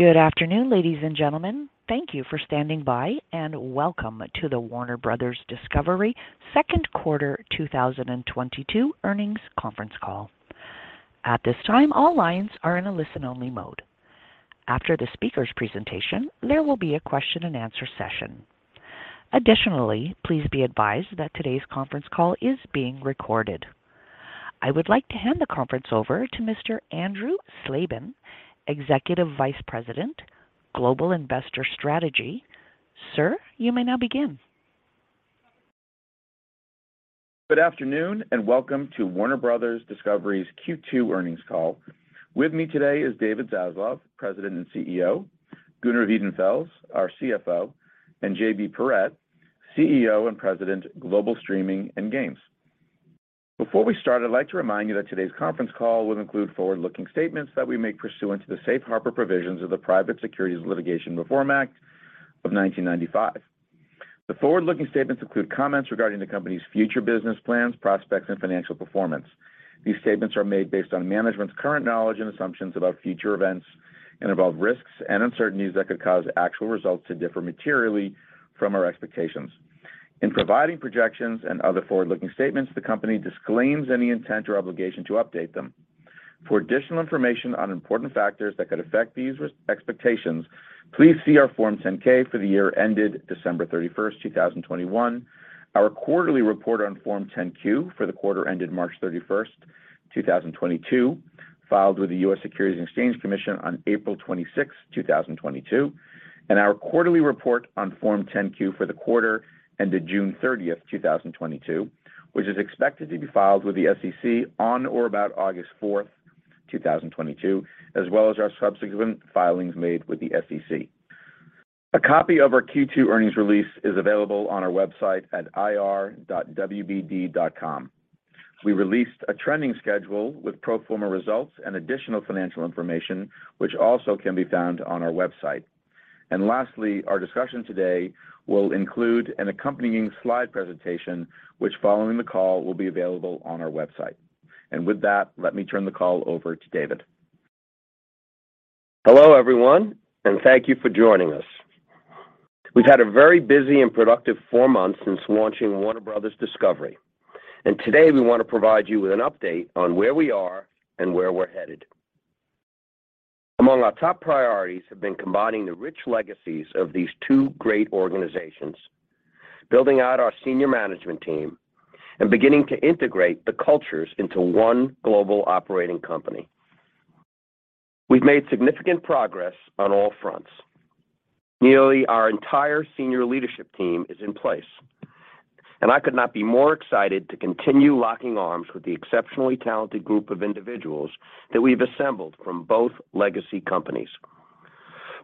Good afternoon, ladies and gentlemen. Thank you for standing by, and welcome to the Warner Bros. Discovery second quarter 2022 earnings conference call. At this time, all lines are in a listen-only mode. After the speakers' presentation, there will be a question-and-answer session. Additionally, please be advised that today's conference call is being recorded. I would like to hand the conference over to Mr. Andrew Slabin, Executive Vice President, Global Investor Strategy. Sir, you may now begin. Good afternoon and welcome to Warner Bros. Discovery's Q2 earnings call. With me today is David Zaslav, President and CEO, Gunnar Wiedenfels, our CFO, and JB Perrette, CEO and President, Global Streaming and Games. Before we start, I'd like to remind you that today's conference call will include forward-looking statements that we make pursuant to the Safe Harbor Provisions of the Private Securities Litigation Reform Act of 1995. The forward-looking statements include comments regarding the company's future business plans, prospects, and financial performance. These statements are made based on management's current knowledge and assumptions about future events and about risks and uncertainties that could cause actual results to differ materially from our expectations. In providing projections and other forward-looking statements, the company disclaims any intent or obligation to update them. For additional information on important factors that could affect these expectations, please see our Form 10-K for the year ended December 31, 2021, our quarterly report on Form 10-Q for the quarter ended March 31, 2022, filed with the U.S. Securities and Exchange Commission on April 26, 2022, and our quarterly report on Form 10-Q for the quarter ended June 30, 2022, which is expected to be filed with the SEC on or about August 4, 2022, as well as our subsequent filings made with the SEC. A copy of our Q2 earnings release is available on our website at ir.wbd.com. We released a trending schedule with pro forma results and additional financial information, which also can be found on our website. Lastly, our discussion today will include an accompanying slide presentation, which following the call, will be available on our website. With that, let me turn the call over to David. Hello, everyone, and thank you for joining us. We have had a very busy and productive four months since launching Warner Bros. Discovery, and today we want to provide you with an update on where we are and where we are headed. Among our top priorities have been combining the rich legacies of these two great organizations, building out our senior management team and beginning to integrate the cultures into one global operating company. We've made significant progress on all fronts. Nearly our entire senior leadership team is in place, and I could not be more excited to continue locking arms with the exceptionally talented group of individuals that we have assembled from both legacy companies.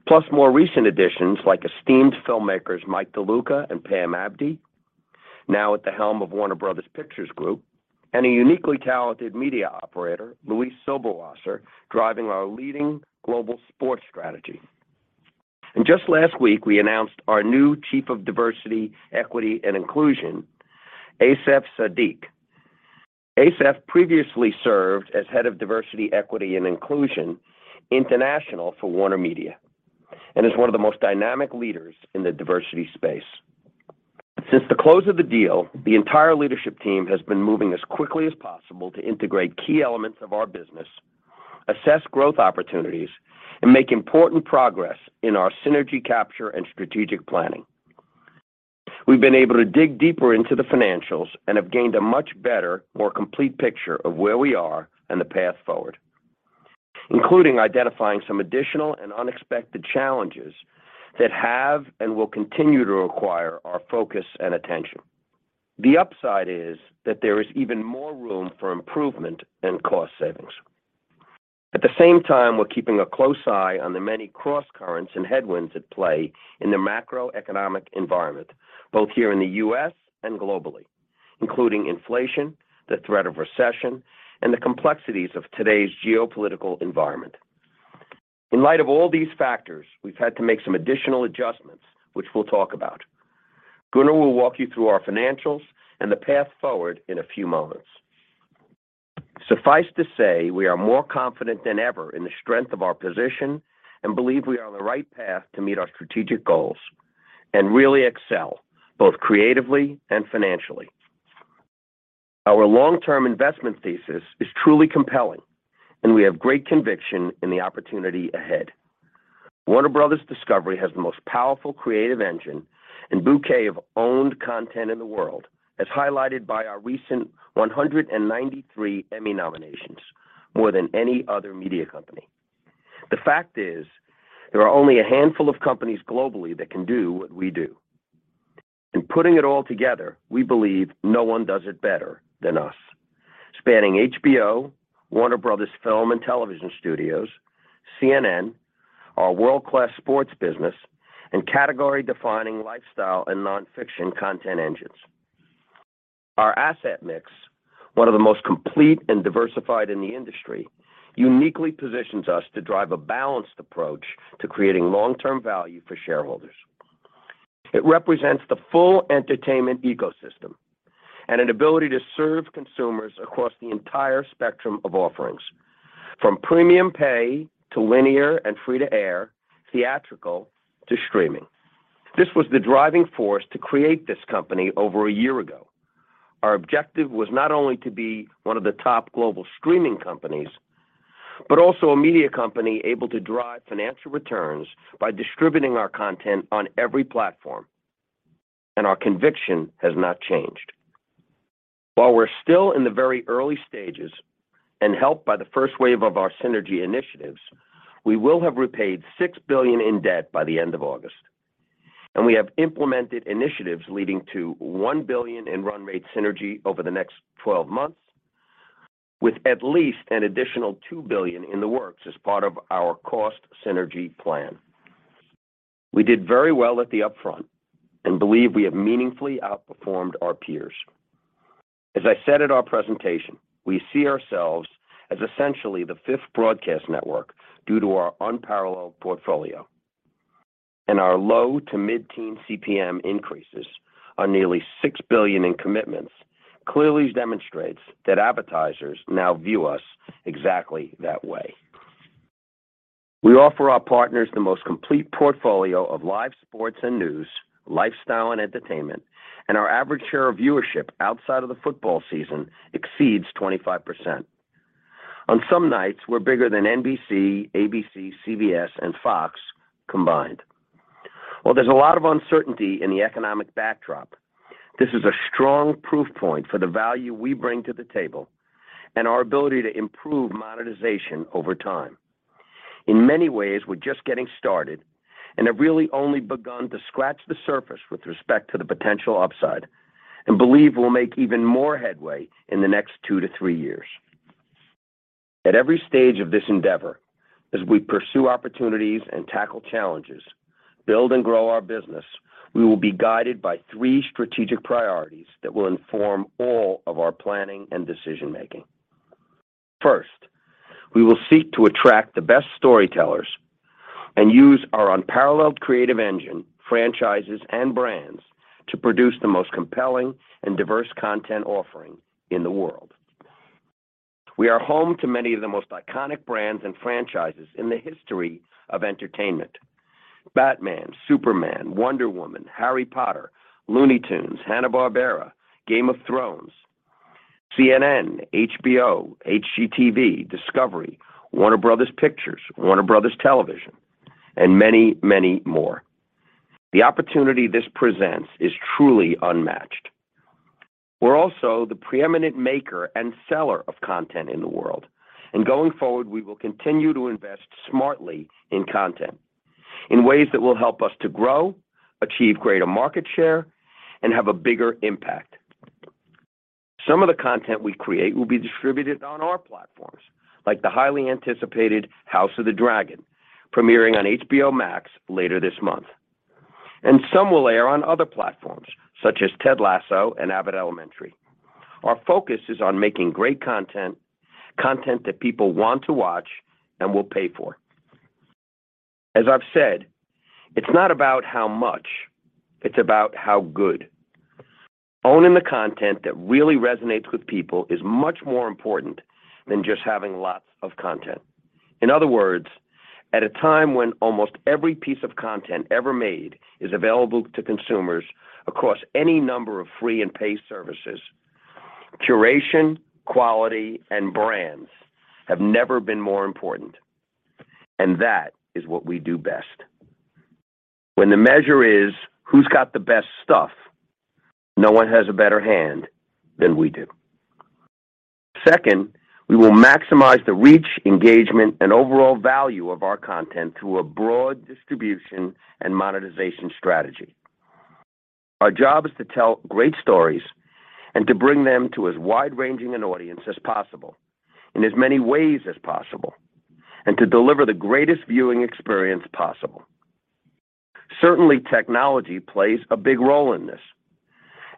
Plus more recent additions like esteemed filmmakers Mike De Luca and Pam Abdy, now at the helm of Warner Bros. Motion Picture Group, and a uniquely talented media operator, Luis Silberwasser, driving our leading global sports strategy. Just last week, we announced our new Chief of Diversity, Equity, and Inclusion, Asif Sadiq. Asif previously served as Head of Diversity, Equity, and Inclusion International for WarnerMedia and is one of the most dynamic leaders in the diversity space. Since the close of the deal, the entire leadership team has been moving as quickly as possible to integrate key elements of our business, assess growth opportunities, and make important progress in our synergy capture and strategic planning. We have been able to dig deeper into the financials and have gained a much better, more complete picture of where we are and the path forward, including identifying some additional and unexpected challenges that have and will continue to require our focus and attention. The upside is that there is even more room for improvement and cost savings. At the same time, we are keeping a close eye on the many crosscurrents and headwinds at play in the macroeconomic environment, both here in the U.S. and globally, including inflation, the threat of recession, and the complexities of today's geopolitical environment. In light of all these factors, we've had to make some additional adjustments, which we'll talk about. Gunnar will walk you through our financials and the path forward in a few moments. Suffice to say we are more confident than ever in the strength of our position and believe we are on the right path to meet our strategic goals and really excel both creatively and financially. Our long-term investment thesis is truly compelling, and we have great conviction in the opportunity ahead. Warner Bros. Discovery has the most powerful creative engine and bouquet of owned content in the world, as highlighted by our recent 193 Emmy nominations, more than any other media company. The fact is there are only a handful of companies globally that can do what we do. In putting it all together, we believe no one does it better than us. Spanning HBO, Warner Bros, Film and Television Studios, CNN, our world-class sports business, and category defining lifestyle and nonfiction content engines. Our asset mix, one of the most complete and diversified in the industry, uniquely positions us to drive a balanced approach to creating long-term value for shareholders. It represents the full entertainment ecosystem and an ability to serve consumers across the entire spectrum of offerings, from premium pay to linear and free to air, theatrical to streaming. This was the driving force to create this company over a year ago. Our objective was not only to be one of the top global streaming companies, but also a media company able to drive financial returns by distributing our content on every platform. Our conviction has not changed. While we are still in the very early stages and helped by the first wave of our synergy initiatives, we will have repaid $6 billion in debt by the end of August. We have implemented initiatives leading to $1 billion in run rate synergy over the next 12 months, with at least an additional $2 billion in the works as part of our cost synergy plan. We did very well at the upfront and believe we have meaningfully outperformed our peers. As I said at our presentation, we see ourselves as essentially the fifth broadcast network due to our unparalleled portfolio. Our low to mid-teen CPM increases on nearly $6 billion in commitments clearly demonstrates that advertisers now view us exactly that way. We offer our partners the most complete portfolio of live sports and news, lifestyle and entertainment, and our average share of viewership outside of the football season exceeds 25%. On some nights, we're bigger than NBC, ABC, CBS, and Fox combined. While there is a lot of uncertainty in the economic backdrop, this is a strong proof point for the value we bring to the table and our ability to improve monetization over time. In many ways, we are just getting started and have really only begun to scratch the surface with respect to the potential upside and believe we'll make even more headway in the next 2-3 years. At every stage of this endeavor, as we pursue opportunities and tackle challenges, build and grow our business, we will be guided by three strategic priorities that will inform all of our planning and decision making. First, we will seek to attract the best storytellers and use our unparalleled creative engine, franchises, and brands to produce the most compelling and diverse content offering in the world. We are home to many of the most iconic brands and franchises in the history of entertainment. Batman, Superman, Wonder Woman, Harry Potter, Looney Tunes, Hanna-Barbera, Game of Thrones, CNN, HBO, HGTV, Discovery, Warner Bros. Pictures, Warner Bros. Television, and many, many more. The opportunity this presents is truly unmatched. We're also the preeminent maker and seller of content in the world. Going forward, we will continue to invest smartly in content in ways that will help us to grow, achieve greater market share, and have a bigger impact. Some of the content we create will be distributed on our platforms, like the highly anticipated House of the Dragon, premiering on HBO Max later this month. And some will air on other platforms, such as Ted Lasso and Abbott Elementary. Our focus is on making great content that people want to watch and will pay for. As I have said, it's not about how much, it's about how good. Owning the content that really resonates with people is much more important than just having lots of content. In other words, at a time when almost every piece of content ever made is available to consumers across any number of free and paid services, curation, quality, and brands have never been more important. That is what we do best. When the measure is who's got the best stuff, no one has a better hand than we do. Second, we will maximize the reach, engagement, and overall value of our content through a broad distribution and monetization strategy. Our job is to tell great stories and to bring them to as wide-ranging an audience as possible in as many ways as possible, and to deliver the greatest viewing experience possible. Certainly, technology plays a big role in this,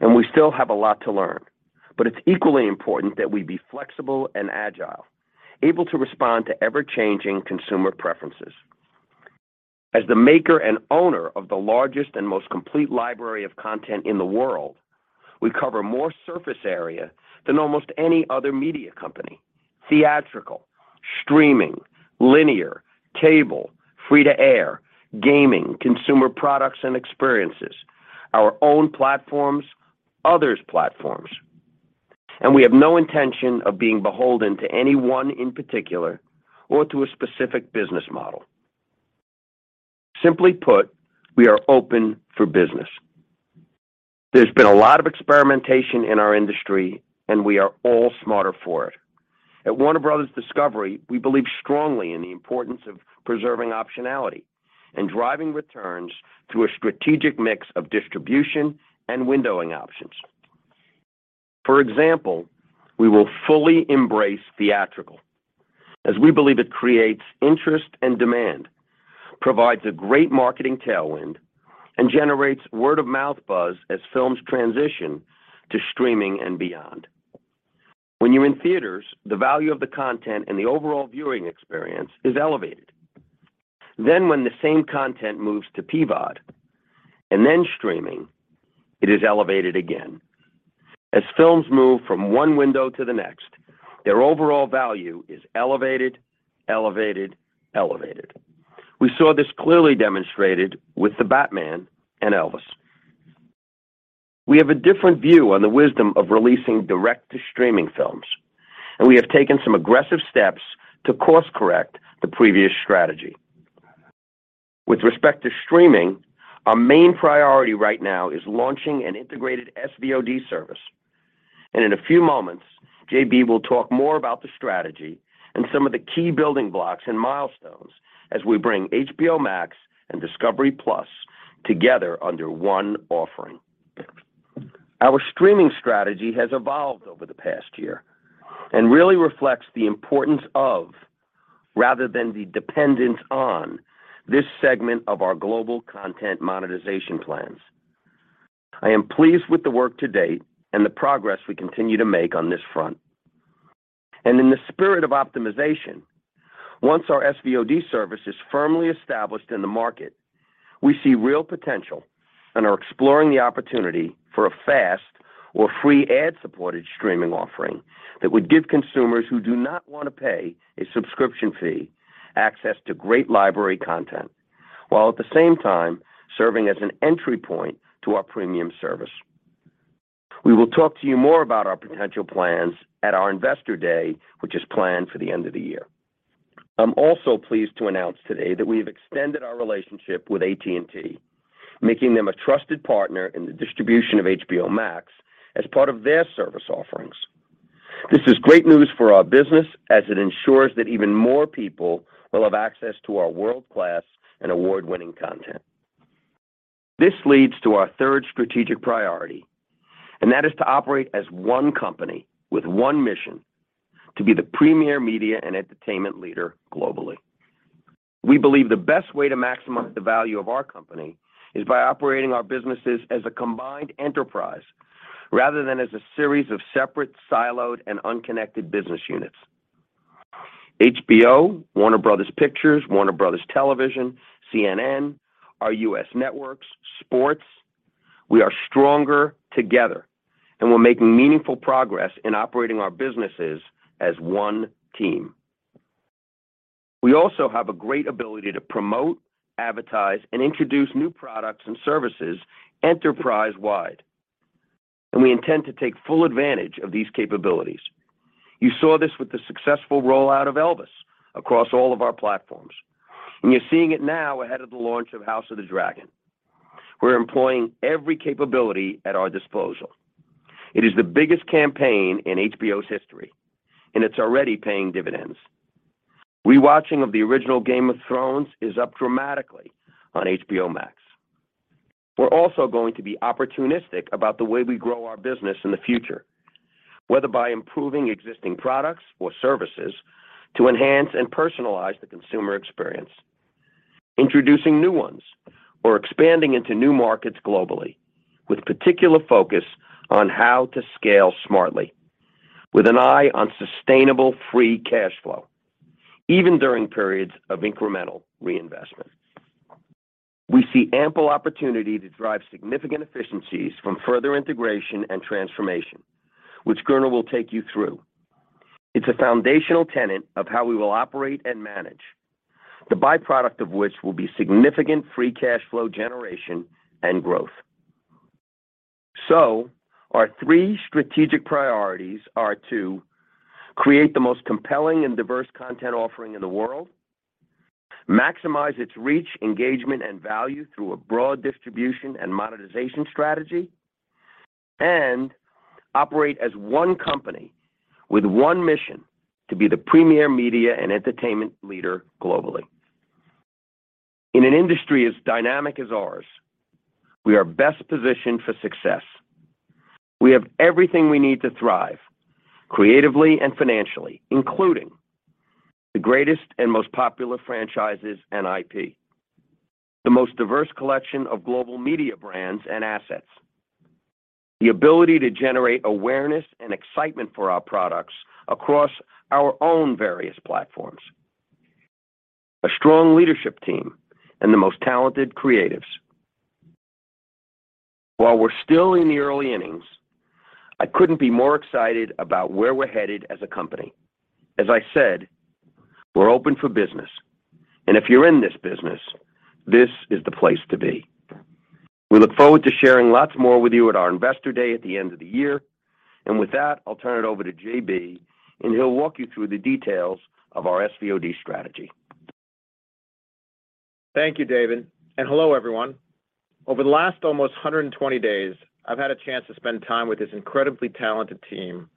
and we still have a lot to learn, but it's equally important that we be flexible and agile, able to respond to ever-changing consumer preferences. As the maker and owner of the largest and most complete library of content in the world, we cover more surface area than almost any other media company. Theatrical, streaming, linear, cable, free to air, gaming, consumer products and experiences, our own platforms, others' platforms. We have no intention of being beholden to any one in particular or to a specific business model. Simply put, we are open for business. There is been a lot of experimentation in our industry, and we are all smarter for it. At Warner Bros. Discovery, we believe strongly in the importance of preserving optionality and driving returns through a strategic mix of distribution and windowing options. For example, we will fully embrace theatrical as we believe it creates interest and demand, provides a great marketing tailwind, and generates word-of-mouth buzz as films transition to streaming and beyond. When you are in theaters, the value of the content and the overall viewing experience is elevated. When the same content moves to PVOD and then streaming, it is elevated again. As films move from one window to the next, their overall value is elevated. We saw this clearly demonstrated with The Batman and Elvis. We have a different view on the wisdom of releasing direct-to-streaming films, and we have taken some aggressive steps to course-correct the previous strategy. With respect to streaming, our main priority right now is launching an integrated SVOD service. In a few moments, JB will talk more about the strategy and some of the key building blocks and milestones as we bring HBO Max and Discovery+ together under one offering. Our streaming strategy has evolved over the past year and really reflects the importance of, rather than the dependence on, this segment of our global content monetization plans. I am pleased with the work to date and the progress we continue to make on this front. In the spirit of optimization, once our SVOD service is firmly established in the market, we see real potential and are exploring the opportunity for a FAST or free ad-supported streaming offering that would give consumers who do not want to pay a subscription fee access to great library content while at the same time serving as an entry point to our premium service. We will talk to you more about our potential plans at our Investor Day, which is planned for the end of the year. I'm also pleased to announce today that we have extended our relationship with AT&T, making them a trusted partner in the distribution of HBO Max as part of their service offerings. This is great news for our business as it ensures that even more people will have access to our world-class and award-winning content. This leads to our third strategic priority, and that is to operate as one company with one mission, to be the premier media and entertainment leader globally. We believe the best way to maximize the value of our company is by operating our businesses as a combined enterprise rather than as a series of separate, siloed, and unconnected business units. HBO, Warner Bros. Pictures, Warner Bros. Television, CNN, our U.S. networks, sports, we are stronger together, and we are making meaningful progress in operating our businesses as one team. We also have a great ability to promote, advertise, and introduce new products and services enterprise-wide, and we intend to take full advantage of these capabilities. You saw this with the successful rollout of Elvis across all of our platforms. You are seeing it now ahead of the launch of House of the Dragon. We're employing every capability at our disposal. It is the biggest campaign in HBO's history, and it's already paying dividends. Rewatching of the original Game of Thrones is up dramatically on HBO Max. We are also going to be opportunistic about the way we grow our business in the future, whether by improving existing products or services to enhance and personalize the consumer experience, introducing new ones or expanding into new markets globally with particular focus on how to scale smartly with an eye on sustainable free cash flow, even during periods of incremental reinvestment. We see ample opportunity to drive significant efficiencies from further integration and transformation, which Gunnar will take you through. It's a foundational tenet of how we will operate and manage, the byproduct of which will be significant free cash flow generation and growth. Our three strategic priorities are to create the most compelling and diverse content offering in the world, maximize its reach, engagement, and value through a broad distribution and monetization strategy, and operate as one company with one mission to be the premier media and entertainment leader globally. In an industry as dynamic as ours, we are best positioned for success. We have everything we need to thrive, creatively and financially, including the greatest and most popular franchises and IP, the most diverse collection of global media brands and assets, the ability to generate awareness and excitement for our products across our own various platforms, a strong leadership team, and the most talented creatives. While we are still in the early innings, I couldn't be more excited about where we're headed as a company. As I said, we are open for business. If you're in this business, this is the place to be. We look forward to sharing lots more with you at our Investor Day at the end of the year. With that, I'll turn it over to JB, and he'll walk you through the details of our SVOD strategy. Thank you, David. Hello, everyone. Over the last almost 120 days, I have had a chance to spend time with this incredibly talented team,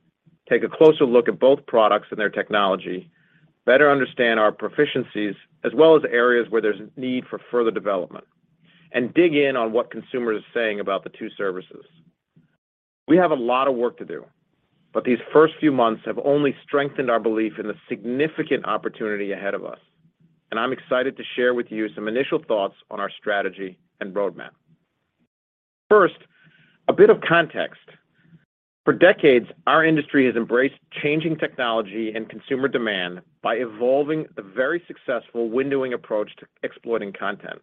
take a closer look at both products and their technology, better understand our proficiencies as well as areas where there's need for further development, and dig in on what consumers are saying about the two services. We have a lot of work to do, but these first few months have only strengthened our belief in the significant opportunity ahead of us, and I'm excited to share with you some initial thoughts on our strategy and roadmap. First, a bit of context. For decades, our industry has embraced changing technology and consumer demand by evolving the very successful windowing approach to exploiting content.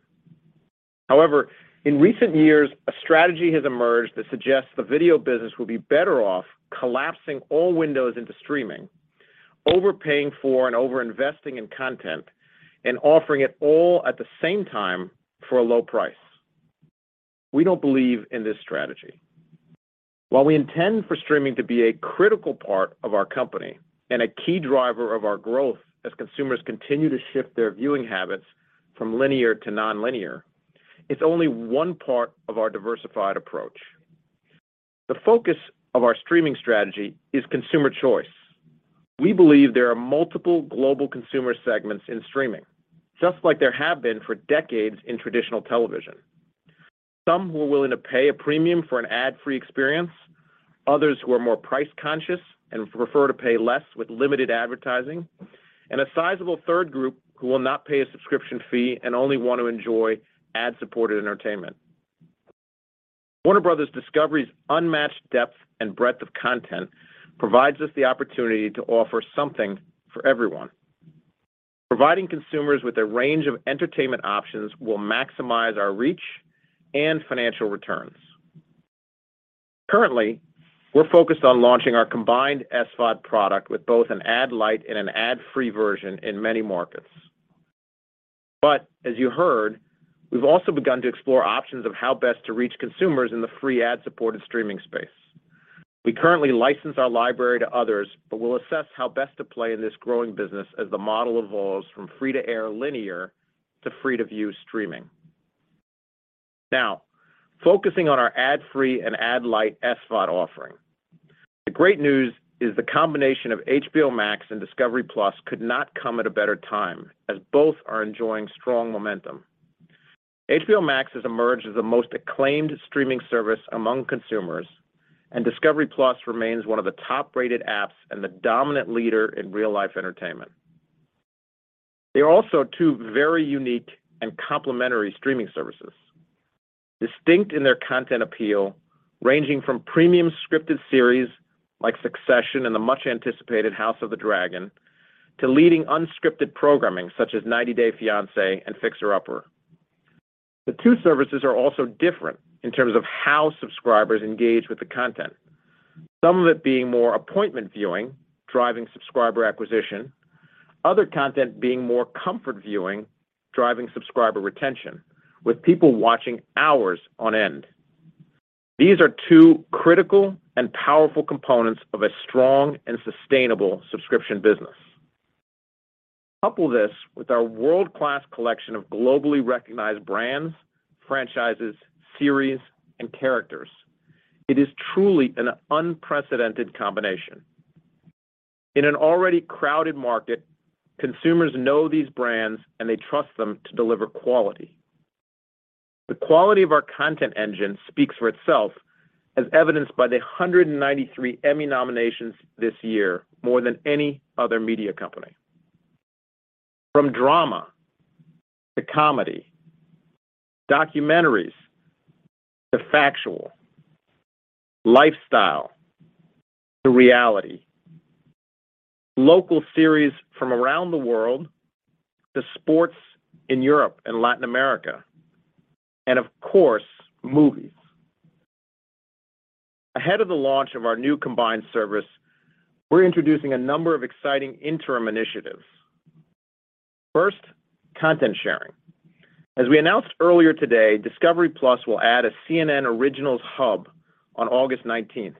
However, in recent years, a strategy has emerged that suggests the video business will be better off collapsing all windows into streaming, overpaying for and over-investing in content, and offering it all at the same time for a low price. We don't believe in this strategy. While we intend for streaming to be a critical part of our company and a key driver of our growth as consumers continue to shift their viewing habits from linear to non-linear, it's only one part of our diversified approach. The focus of our streaming strategy is consumer choice. We believe there are multiple global consumer segments in streaming, just like there have been for decades in traditional television. Some who are willing to pay a premium for an ad-free experience, others who are more price-conscious and prefer to pay less with limited advertising, and a sizable third group who will not pay a subscription fee and only want to enjoy ad-supported entertainment. Warner Bros. Discovery's unmatched depth and breadth of content provides us the opportunity to offer something for everyone. Providing consumers with a range of entertainment options will maximize our reach and financial returns. Currently, we are focused on launching our combined SVOD product with both an ad light and an ad-free version in many markets. As you heard, we've also begun to explore options of how best to reach consumers in the free ad-supported streaming space. We currently license our library to others, but we'll assess how best to play in this growing business as the model evolves from free-to-air linear to free-to-view streaming. Now, focusing on our ad-free and ad light SVOD offering. The great news is the combination of HBO Max and Discovery+ could not come at a better time as both are enjoying strong momentum. HBO Max has emerged as the most acclaimed streaming service among consumers, and Discovery+ remains one of the top-rated apps and the dominant leader in real-life entertainment. They are also two very unique and complementary streaming services, distinct in their content appeal, ranging from premium scripted series like Succession and the much-anticipated House of the Dragon to leading unscripted programming such as 90 Day Fiancé and Fixer Upper. The two services are also different in terms of how subscribers engage with the content. Some of it being more appointment viewing, driving subscriber acquisition, other content being more comfort viewing, driving subscriber retention, with people watching hours on end. These are two critical and powerful components of a strong and sustainable subscription business. Couple this with our world-class collection of globally recognized brands, franchises, series, and characters. It is truly an unprecedented combination. In an already crowded market, consumers know these brands and they trust them to deliver quality. The quality of our content engine speaks for itself as evidenced by the 193 Emmy nominations this year, more than any other media company. From drama to comedy, documentaries to factual, lifestyle to reality, local series from around the world to sports in Europe and Latin America, and of course movies. Ahead of the launch of our new combined service, we're introducing a number of exciting interim initiatives. First, content sharing. As we announced earlier today, Discovery+ will add a CNN Originals hub on August nineteenth,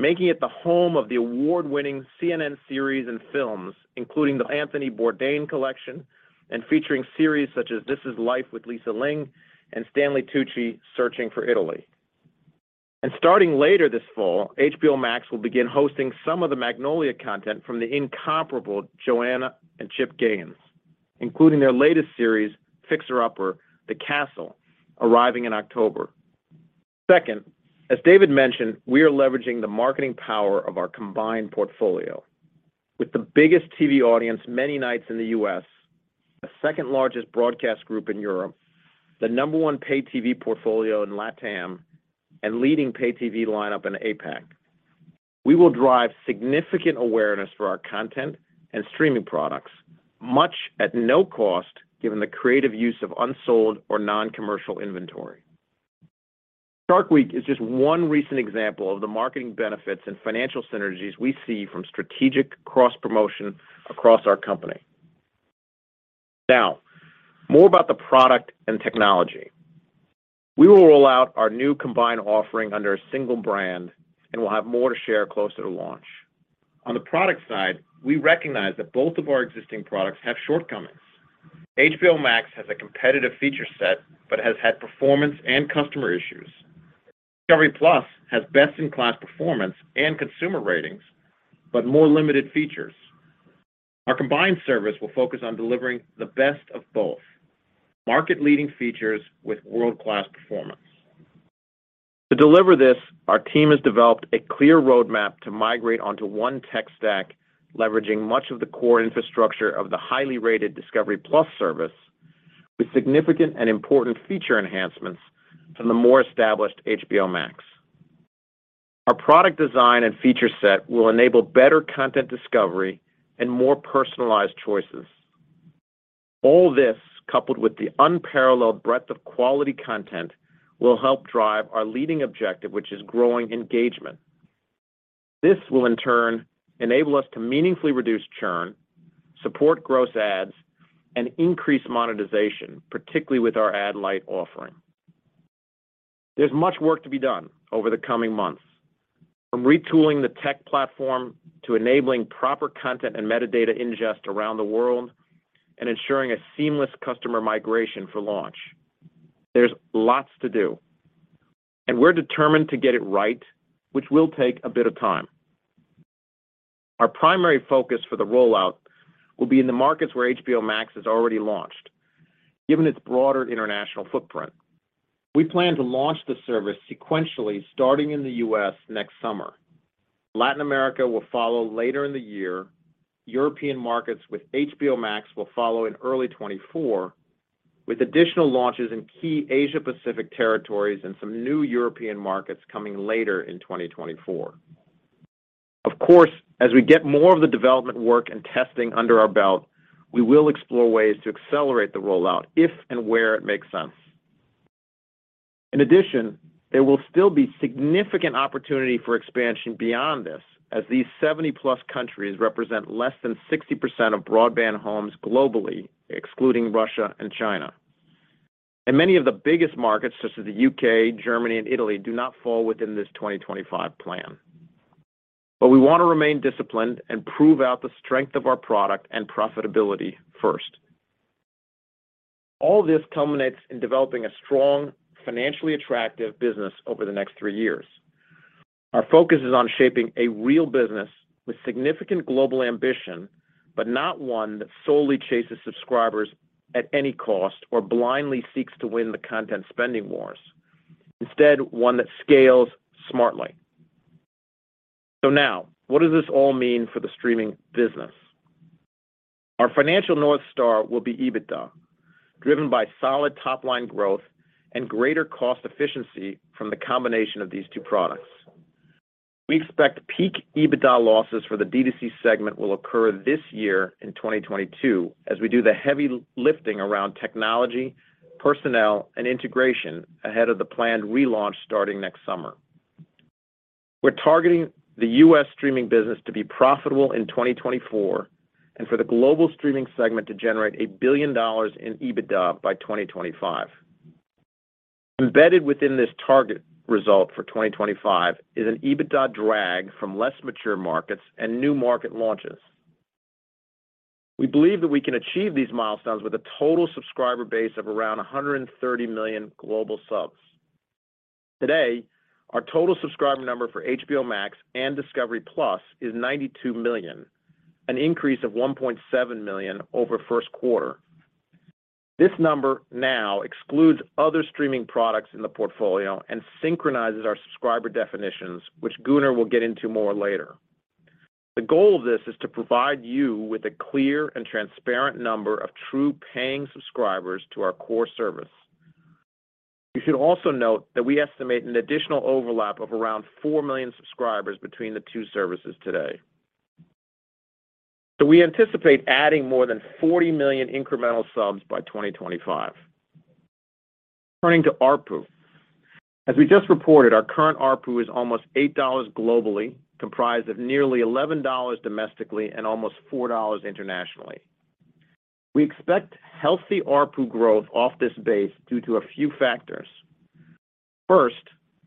making it the home of the award-winning CNN series and films, including the Anthony Bourdain collection and featuring series such as This Is Life with Lisa Ling and Stanley Tucci: Searching for Italy. Starting later this fall, HBO Max will begin hosting some of the Magnolia content from the incomparable Joanna and Chip Gaines, including their latest series, Fixer Upper: The Castle, arriving in October. Second, as David mentioned, we are leveraging the marketing power of our combined portfolio. With the biggest TV audience many nights in the U.S., the second-largest broadcast group in Europe, the number one pay TV portfolio in LATAM, and leading pay TV lineup in APAC. We will drive significant awareness for our content and streaming products, much at no cost, given the creative use of unsold or non-commercial inventory. Shark Week is just one recent example of the marketing benefits and financial synergies we see from strategic cross-promotion across our company. Now, more about the product and technology. We will roll out our new combined offering under a single brand, and we'll have more to share closer to launch. On the product side, we recognize that both of our existing products have shortcomings. HBO Max has a competitive feature set but has had performance and customer issues. Discovery+ has best-in-class performance and consumer ratings, but more limited features. Our combined service will focus on delivering the best of both, market-leading features with world-class performance. To deliver this, our team has developed a clear roadmap to migrate onto one tech stack, leveraging much of the core infrastructure of the highly rated Discovery+ service with significant and important feature enhancements from the more established HBO Max. Our product design and feature set will enable better content discovery and more personalized choices. All this, coupled with the unparalleled breadth of quality content, will help drive our leading objective, which is growing engagement. This will in turn enable us to meaningfully reduce churn, support gross ads, and increase monetization, particularly with our ad light offering. There is much work to be done over the coming months, from retooling the tech platform to enabling proper content and metadata ingest around the world and ensuring a seamless customer migration for launch. There is lots to do, and we are determined to get it right, which will take a bit of time. Our primary focus for the rollout will be in the markets where HBO Max has already launched given its broader international footprint. We plan to launch the service sequentially starting in the U.S. next summer. Latin America will follow later in the year. European markets with HBO Max will follow in early 2024, with additional launches in key Asia-Pacific territories and some new European markets coming later in 2024. Of course, as we get more of the development work and testing under our belt, we will explore ways to accelerate the rollout if and where it makes sense. In addition, there will still be significant opportunity for expansion beyond this as these 70+ countries represent less than 60% of broadband homes globally, excluding Russia and China. Many of the biggest markets such as the UK, Germany, and Italy do not fall within this 2025 plan. We want to remain disciplined and prove out the strength of our product and profitability first. All this culminates in developing a strong, financially attractive business over the next three years. Our focus is on shaping a real business with significant global ambition, but not one that solely chases subscribers at any cost or blindly seeks to win the content spending wars. Instead, one that scales smartly. Now, what does this all mean for the streaming business? Our financial North Star will be EBITDA, driven by solid top-line growth and greater cost efficiency from the combination of these two products. We expect peak EBITDA losses for the D2C segment will occur this year in 2022, as we do the heavy lifting around technology, personnel, and integration ahead of the planned relaunch starting next summer. We are targeting the U.S. streaming business to be profitable in 2024 and for the global streaming segment to generate $1 billion in EBITDA by 2025. Embedded within this target result for 2025 is an EBITDA drag from less mature markets and new market launches. We believe that we can achieve these milestones with a total subscriber base of around 130 million global subs. Today, our total subscriber number for HBO Max and Discovery+ is 92 million, an increase of 1.7 million over first quarter. This number now excludes other streaming products in the portfolio and synchronizes our subscriber definitions, which Gunnar will get into more later. The goal of this is to provide you with a clear and transparent number of true paying subscribers to our core service. You should also note that we estimate an additional overlap of around 4 million subscribers between the two services today. We anticipate adding more than 40 million incremental subs by 2025. Turning to ARPU. As we just reported, our current ARPU is almost $8 globally, comprised of nearly $11 domestically and almost $4 internationally. We expect healthy ARPU growth off this base due to a few factors. First,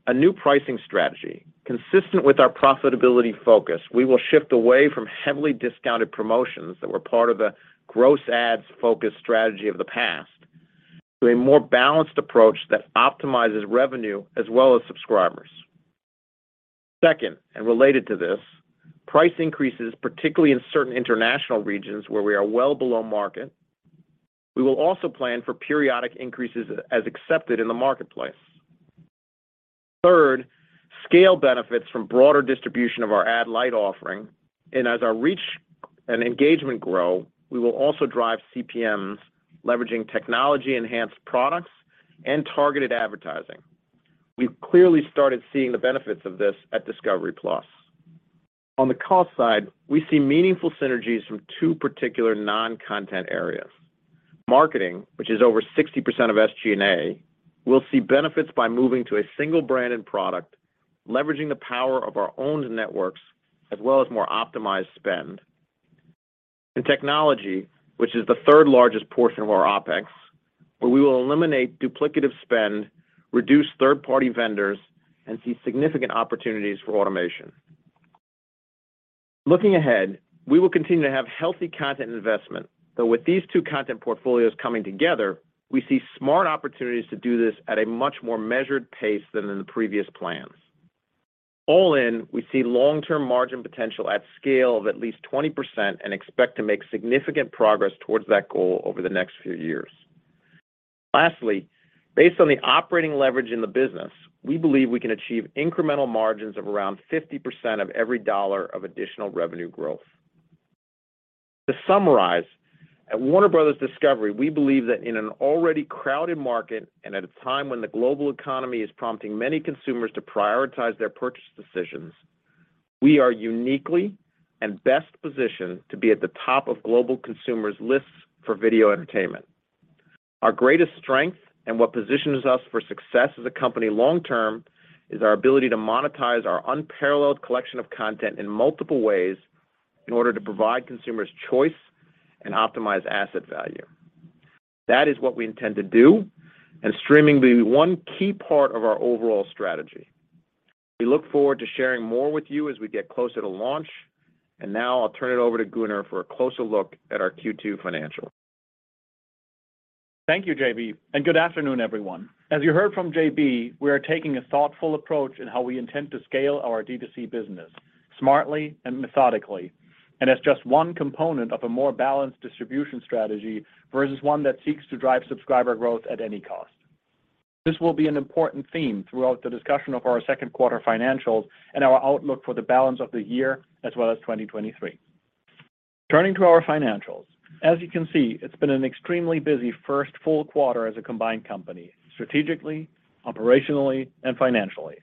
a new pricing strategy, consistent with our profitability focus, we will shift away from heavily discounted promotions that were part of the gross ads focused strategy of the past to a more balanced approach that optimizes revenue as well as subscribers. Second, and related to this, price increases, particularly in certain international regions where we are well below market. We will also plan for periodic increases as accepted in the marketplace. Third, scale benefits from broader distribution of our ad light offering and as our reach and engagement grow, we will also drive CPMs leveraging technology-enhanced products and targeted advertising. We've clearly started seeing the benefits of this at Discovery+. On the cost side, we see meaningful synergies from two particular non-content areas. Marketing, which is over 60% of SG&A, will see benefits by moving to a single brand and product, leveraging the power of our owned networks as well as more optimized spend. In technology, which is the third largest portion of our OpEx, where we will eliminate duplicative spend, reduce third-party vendors, and see significant opportunities for automation. Looking ahead, we will continue to have healthy content investment, though with these two content portfolios coming together, we see smart opportunities to do this at a much more measured pace than in the previous plans. All in, we see long-term margin potential at scale of at least 20% and expect to make significant progress towards that goal over the next few years. Lastly, based on the operating leverage in the business, we believe we can achieve incremental margins of around 50% of every dollar of additional revenue growth. To summarize, at Warner Bros. Discovery, we believe that in an already crowded market and at a time when the global economy is prompting many consumers to prioritize their purchase decisions, we are uniquely and best positioned to be at the top of global consumers' lists for video entertainment. Our greatest strength and what positions us for success as a company long term is our ability to monetize our unparalleled collection of content in multiple ways in order to provide consumers choice and optimize asset value. That is what we intend to do and streaming being one key part of our overall strategy. We look forward to sharing more with you as we get closer to launch. Now I'll turn it over to Gunnar for a closer look at our Q2 financials. Thank you, JB, and good afternoon, everyone. As you heard from JB, we are taking a thoughtful approach in how we intend to scale our D2C business smartly and methodically, and as just one component of a more balanced distribution strategy versus one that seeks to drive subscriber growth at any cost. This will be an important theme throughout the discussion of our second quarter financials and our outlook for the balance of the year as well as 2023. Turning to our financials. As you can see, it's been an extremely busy first full quarter as a combined company, strategically, operationally, and financially.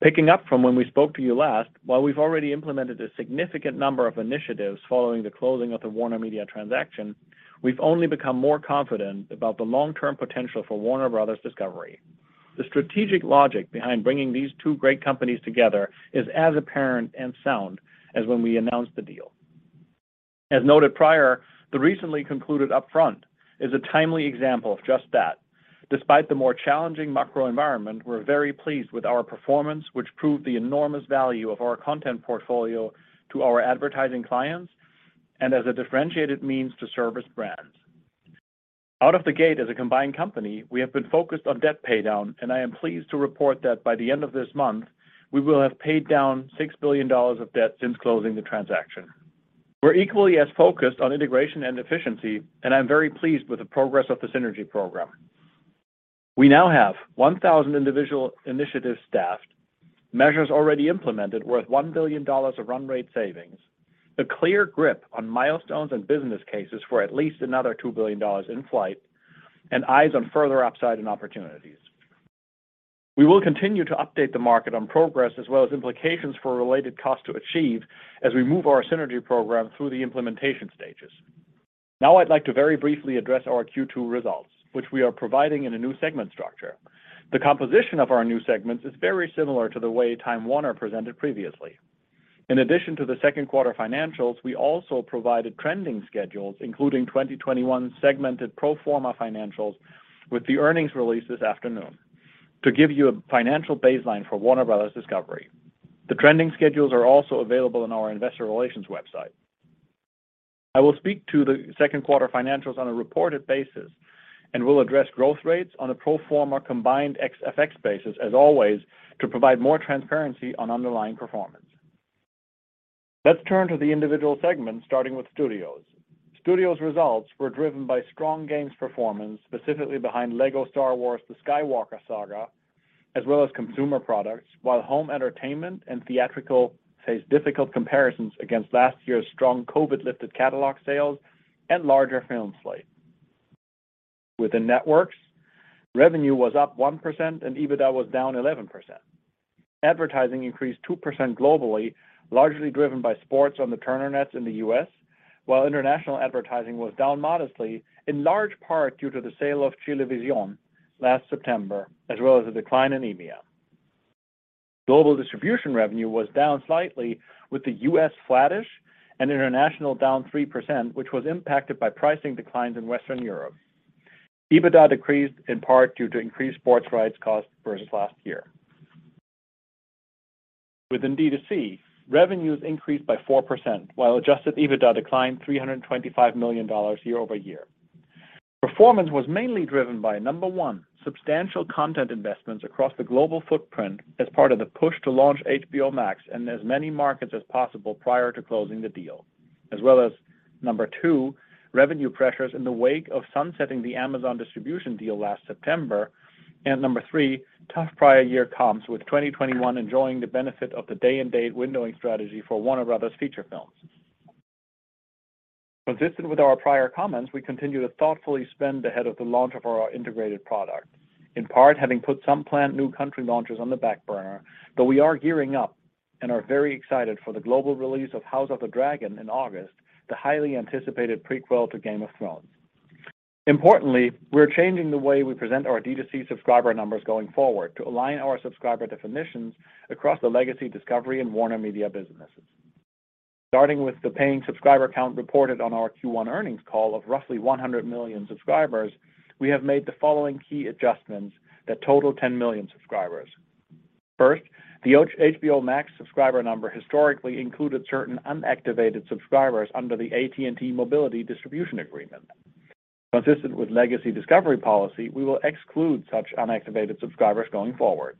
Picking up from when we spoke to you last, while we've already implemented a significant number of initiatives following the closing of the WarnerMedia transaction, we've only become more confident about the long-term potential for Warner Bros. Discovery. The strategic logic behind bringing these two great companies together is as apparent and sound as when we announced the deal. As noted prior, the recently concluded upfront is a timely example of just that. Despite the more challenging macro environment, we're very pleased with our performance, which proved the enormous value of our content portfolio to our advertising clients and as a differentiated means to service brands. Out of the gate as a combined company, we have been focused on debt pay down, and I am pleased to report that by the end of this month, we will have paid down $6 billion of debt since closing the transaction. We're equally as focused on integration and efficiency, and I'm very pleased with the progress of the synergy program. We now have 1,000 individual initiatives staffed, measures already implemented worth $1 billion of run rate savings, a clear grip on milestones and business cases for at least another $2 billion in flight, and eyes on further upside and opportunities. We will continue to update the market on progress as well as implications for related cost to achieve as we move our synergy program through the implementation stages. Now I'd like to very briefly address our Q2 results, which we are providing in a new segment structure. The composition of our new segments is very similar to the way Time Warner presented previously. In addition to the second quarter financials, we also provided trending schedules, including 2021 segmented pro forma financials with the earnings release this afternoon to give you a financial baseline for Warner Bros. Discovery. The trending schedules are also available on our investor relations website. I will speak to the second quarter financials on a reported basis and will address growth rates on a pro forma combined XFX basis as always to provide more transparency on underlying performance. Let's turn to the individual segments, starting with Studios. Studios results were driven by strong games performance, specifically behind Lego Star Wars: The Skywalker Saga, as well as consumer products, while home entertainment and theatrical faced difficult comparisons against last year's strong COVID-lifted catalog sales and larger film slate. Within Networks, revenue was up 1% and EBITDA was down 11%. Advertising increased 2% globally, largely driven by sports on the Turner nets in the US, while international advertising was down modestly, in large part due to the sale of Chilevisión last September, as well as a decline in EMEA. Global distribution revenue was down slightly, with the US flattish and international down 3%, which was impacted by pricing declines in Western Europe. EBITDA decreased in part due to increased sports rights costs versus last year. Within D2C, revenues increased by 4%, while adjusted EBITDA declined $325 million year over year. Performance was mainly driven by, number one, substantial content investments across the global footprint as part of the push to launch HBO Max in as many markets as possible prior to closing the deal. As well as, number two, revenue pressures in the wake of sunsetting the Amazon distribution deal last September. Number three, tough prior year comps with 2021 enjoying the benefit of the day-and-date windowing strategy for Warner Bros. feature films. Consistent with our prior comments, we continue to thoughtfully spend ahead of the launch of our integrated product. In part, having put some planned new country launches on the back burner, but we are gearing up and are very excited for the global release of House of the Dragon in August, the highly anticipated prequel to Game of Thrones. Importantly, we're changing the way we present our D2C subscriber numbers going forward to align our subscriber definitions across the legacy Discovery and WarnerMedia businesses. Starting with the paying subscriber count reported on our Q1 earnings call of roughly 100 million subscribers, we have made the following key adjustments that total 10 million subscribers. First, the HBO Max subscriber number historically included certain unactivated subscribers under the AT&T mobility distribution agreement. Consistent with legacy Discovery policy, we will exclude such unactivated subscribers going forward.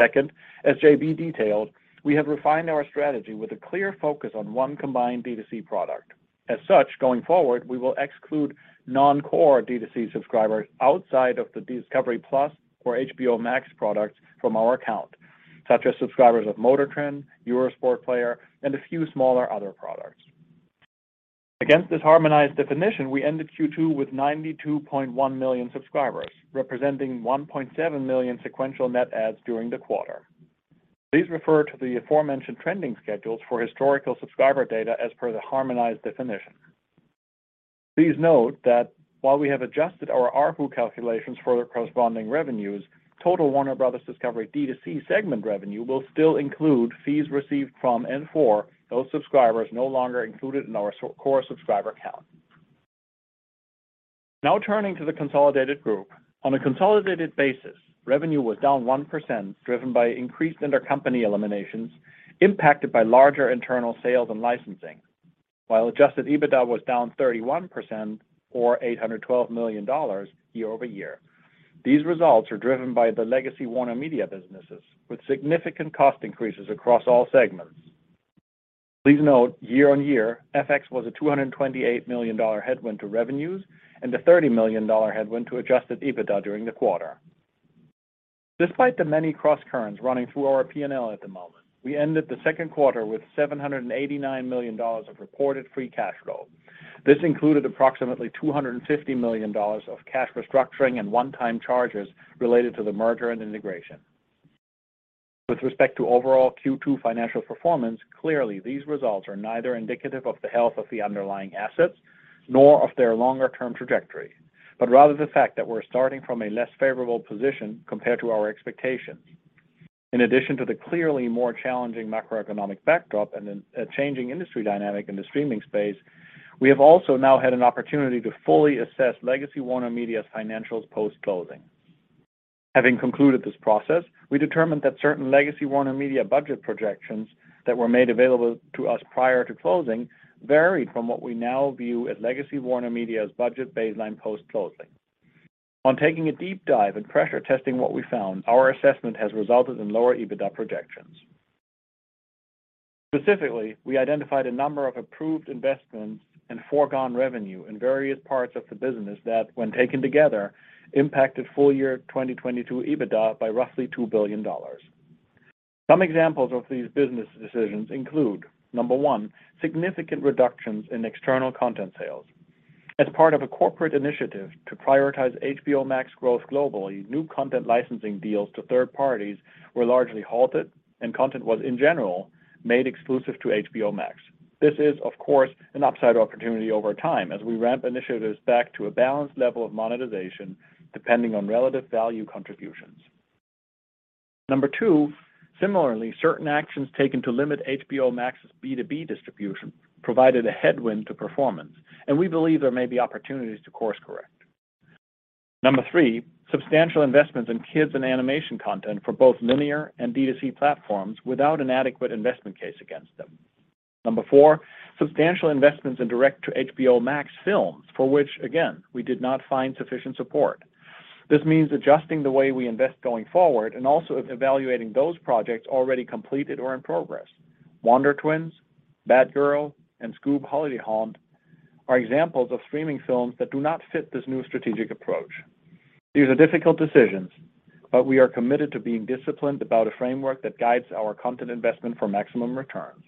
Second, as JB detailed, we have refined our strategy with a clear focus on one combined D2C product. As such, going forward, we will exclude non-core D2C subscribers outside of the Discovery+ or HBO Max products from our account, such as subscribers of MotorTrend, Eurosport Player, and a few smaller other products. Against this harmonized definition, we ended Q2 with 92.1 million subscribers, representing 1.7 million sequential net adds during the quarter. Please refer to the aforementioned trending schedules for historical subscriber data as per the harmonized definition. Please note that while we have adjusted our ARPU calculations for the corresponding revenues, total Warner Bros. Discovery D2C segment revenue will still include fees received from and for those subscribers no longer included in our core subscriber count. Now turning to the consolidated group. On a consolidated basis, revenue was down 1%, driven by increased intercompany eliminations impacted by larger internal sales and licensing. While adjusted EBITDA was down 31% or $812 million year-over-year. These results are driven by the legacy WarnerMedia businesses, with significant cost increases across all segments. Please note, year-on-year, FX was a $228 million headwind to revenues and a $30 million headwind to adjusted EBITDA during the quarter. Despite the many crosscurrents running through our P&L at the moment, we ended the second quarter with $789 million of reported free cash flow. This included approximately $250 million of cash restructuring and one-time charges related to the merger and integration. With respect to overall Q2 financial performance, clearly, these results are neither indicative of the health of the underlying assets nor of their longer-term trajectory, but rather the fact that we're starting from a less favorable position compared to our expectations. In addition to the clearly more challenging macroeconomic backdrop and then a changing industry dynamic in the streaming space, we have also now had an opportunity to fully assess legacy WarnerMedia's financials post-closing. Having concluded this process, we determined that certain legacy WarnerMedia budget projections that were made available to us prior to closing varied from what we now view as legacy WarnerMedia's budget baseline post-closing. On taking a deep dive and pressure testing what we found, our assessment has resulted in lower EBITDA projections. Specifically, we identified a number of approved investments and foregone revenue in various parts of the business that when taken together, impacted full-year 2022 EBITDA by roughly $2 billion. Some examples of these business decisions include, number one, significant reductions in external content sales. As part of a corporate initiative to prioritize HBO Max growth globally, new content licensing deals to third parties were largely halted and content was, in general, made exclusive to HBO Max. This is, of course, an upside opportunity over time as we ramp initiatives back to a balanced level of monetization depending on relative value contributions. Number two, similarly, certain actions taken to limit HBO Max's B2B distribution provided a headwind to performance, and we believe there may be opportunities to course correct. Number three, substantial investments in kids and animation content for both linear and D2C platforms without an adequate investment case against them. Number four, substantial investments in direct-to-HBO Max films for which, again, we did not find sufficient support. This means adjusting the way we invest going forward and also evaluating those projects already completed or in progress. Wonder Twins, Batgirl, and Scoob!: Holiday Haunt are examples of streaming films that do not fit this new strategic approach. These are difficult decisions, but we are committed to being disciplined about a framework that guides our content investment for maximum returns.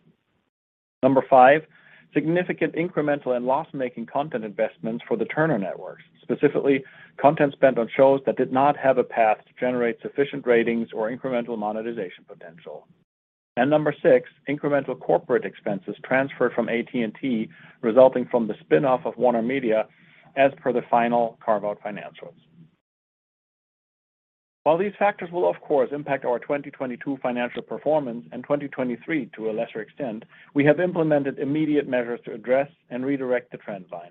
5, significant incremental and loss-making content investments for the Turner networks, specifically, content spent on shows that did not have a path to generate sufficient ratings or incremental monetization potential. 6, incremental corporate expenses transferred from AT&T, resulting from the spin-off of WarnerMedia as per the final carve-out financials. While these factors will of course impact our 2022 financial performance and 2023 to a lesser extent, we have implemented immediate measures to address and redirect the trend line.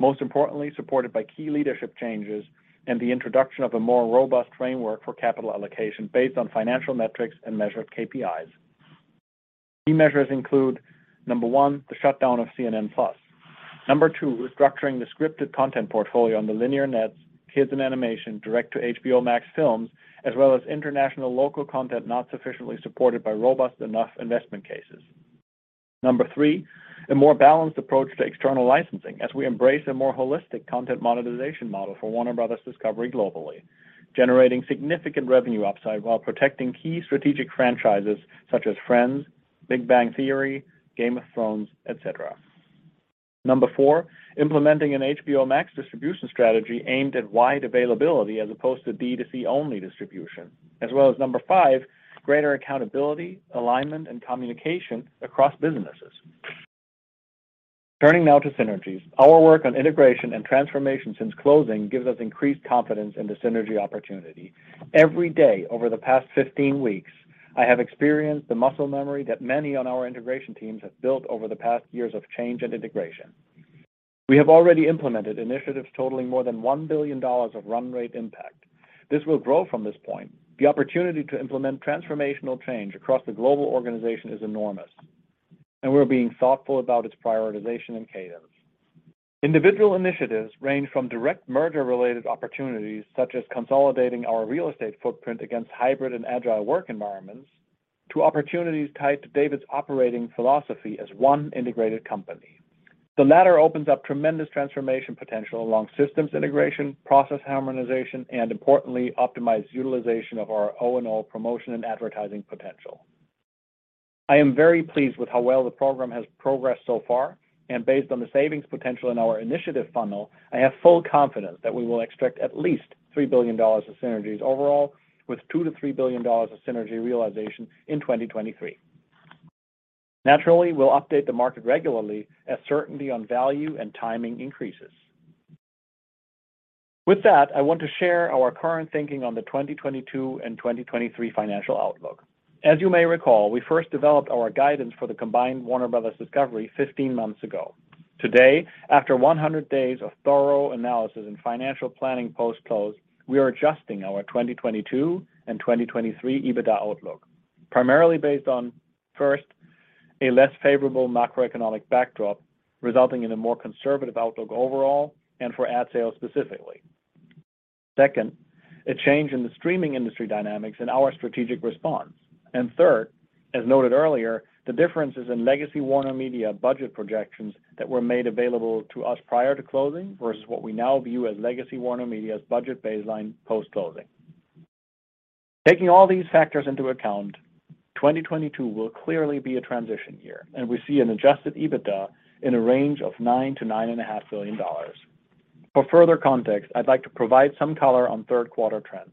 Most importantly, supported by key leadership changes and the introduction of a more robust framework for capital allocation based on financial metrics and measured KPIs. Key measures include, number one, the shutdown of CNN Plus. Number two, restructuring the scripted content portfolio on the linear nets, kids and animation, direct-to-HBO Max films, as well as international local content not sufficiently supported by robust enough investment cases. Number three, a more balanced approach to external licensing as we embrace a more holistic content monetization model for Warner Bros. Discovery globally, generating significant revenue upside while protecting key strategic franchises such as Friends, The Big Bang Theory, Game of Thrones, etc. Number four, implementing an HBO Max distribution strategy aimed at wide availability as opposed to D2C-only distribution, as well as number five, greater accountability, alignment, and communication across businesses. Turning now to synergies. Our work on integration and transformation since closing gives us increased confidence in the synergy opportunity. Every day over the past 15 weeks, I have experienced the muscle memory that many on our integration teams have built over the past years of change and integration. We have already implemented initiatives totaling more than $1 billion of run rate impact. This will grow from this point. The opportunity to implement transformational change across the global organization is enormous. We're being thoughtful about its prioritization and cadence. Individual initiatives range from direct merger-related opportunities, such as consolidating our real estate footprint against hybrid and agile work environments, to opportunities tied to David's operating philosophy as one integrated company. The latter opens up tremendous transformation potential along systems integration, process harmonization, and importantly, optimized utilization of our O&O promotion and advertising potential. I am very pleased with how well the program has progressed so far, and based on the savings potential in our initiative funnel, I have full confidence that we will extract at least $3 billion of synergies overall, with $2 billion-$3 billion of synergy realization in 2023. Naturally, we'll update the market regularly as certainty on value and timing increases. With that, I want to share our current thinking on the 2022 and 2023 financial outlook. As you may recall, we first developed our guidance for the combined Warner Bros. Discovery 15 months ago. Today, after 100 days of thorough analysis and financial planning post-close, we are adjusting our 2022 and 2023 EBITDA outlook, primarily based on, first, a less favorable macroeconomic backdrop, resulting in a more conservative outlook overall and for ad sales specifically. Second, a change in the streaming industry dynamics and our strategic response. Third, as noted earlier, the differences in Legacy WarnerMedia budget projections that were made available to us prior to closing versus what we now view as Legacy WarnerMedia's budget baseline post-closing. Taking all these factors into account, 2022 will clearly be a transition year, and we see an adjusted EBITDA in a range of $9 billion-$9.5 billion. For further context, I'd like to provide some color on third quarter trends.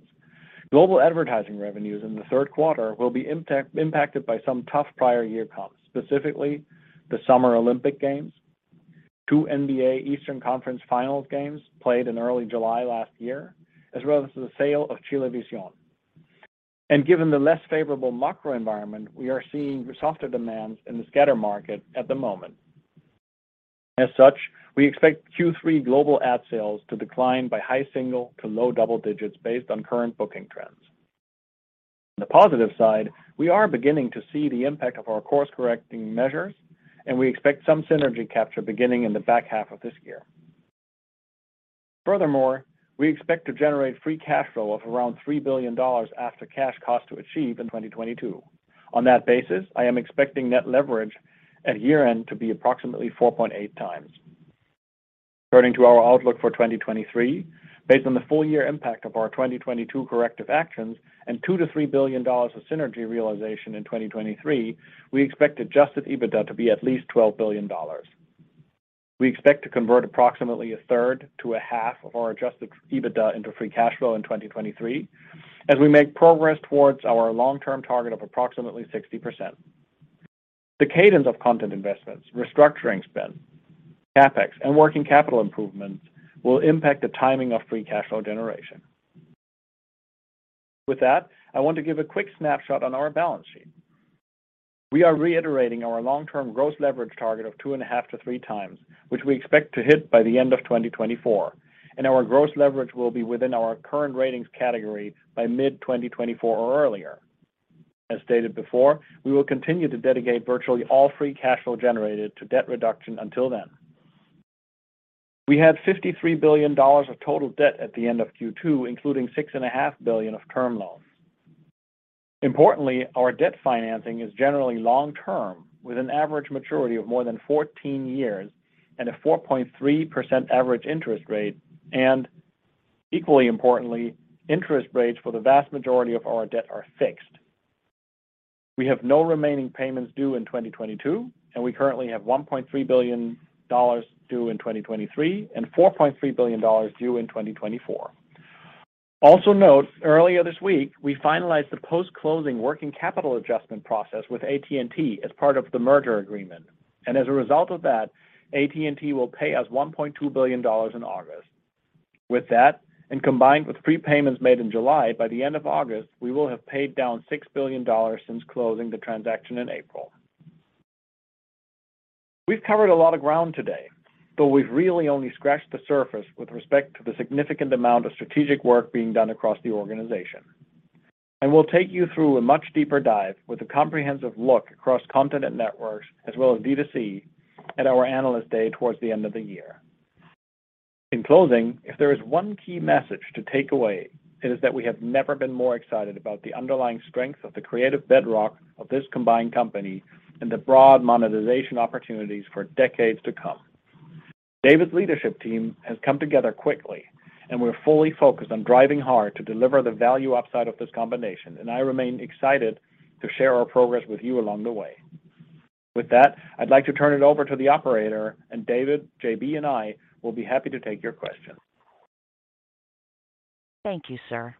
Global advertising revenues in the third quarter will be impacted by some tough prior year comps, specifically the Summer Olympic Games, two NBA Eastern Conference Finals games played in early July last year, as well as the sale of Chilevisión. Given the less favorable macro environment, we are seeing softer demands in the scatter market at the moment. As such, we expect Q3 global ad sales to decline by high single- to low double-digit % based on current booking trends. On the positive side, we are beginning to see the impact of our course-correcting measures, and we expect some synergy capture beginning in the back half of this year. Furthermore, we expect to generate free cash flow of around $3 billion after cash cost to achieve in 2022. On that basis, I am expecting net leverage at year-end to be approximately 4.8x. Turning to our outlook for 2023, based on the full year impact of our 2022 corrective actions and $2 billion-$3 billion of synergy realization in 2023, we expect adjusted EBITDA to be at least $12 billion. We expect to convert approximately a third to a half of our adjusted EBITDA into free cash flow in 2023 as we make progress towards our long-term target of approximately 60%. The cadence of content investments, restructuring spend, CapEx, and working capital improvements will impact the timing of free cash flow generation. With that, I want to give a quick snapshot on our balance sheet. We are reiterating our long-term gross leverage target of 2.5-3x, which we expect to hit by the end of 2024, and our gross leverage will be within our current ratings category by mid-2024 or earlier. As stated before, we will continue to dedicate virtually all free cash flow generated to debt reduction until then. We had $53 billion of total debt at the end of Q2, including $6.5 billion of term loans. Importantly, our debt financing is generally long term, with an average maturity of more than 14 years and a 4.3% average interest rate. Equally importantly, interest rates for the vast majority of our debt are fixed. We have no remaining payments due in 2022, and we currently have $1.3 billion due in 2023 and $4.3 billion due in 2024. Also note, earlier this week, we finalized the post-closing working capital adjustment process with AT&T as part of the merger agreement. As a result of that, AT&T will pay us $1.2 billion in August. With that, and combined with prepayments made in July, by the end of August, we will have paid down $6 billion since closing the transaction in April. We've covered a lot of ground today, but we've really only scratched the surface with respect to the significant amount of strategic work being done across the organization. We'll take you through a much deeper dive with a comprehensive look across content networks as well as D2C at our Analyst Day towards the end of the year. In closing, if there is one key message to take away, it is that we have never been more excited about the underlying strength of the creative bedrock of this combined company and the broad monetization opportunities for decades to come. David's leadership team has come together quickly, and we're fully focused on driving hard to deliver the value upside of this combination, and I remain excited to share our progress with you along the way. With that, I'd like to turn it over to the operator, and David, JB, and I will be happy to take your questions. Thank you, sir.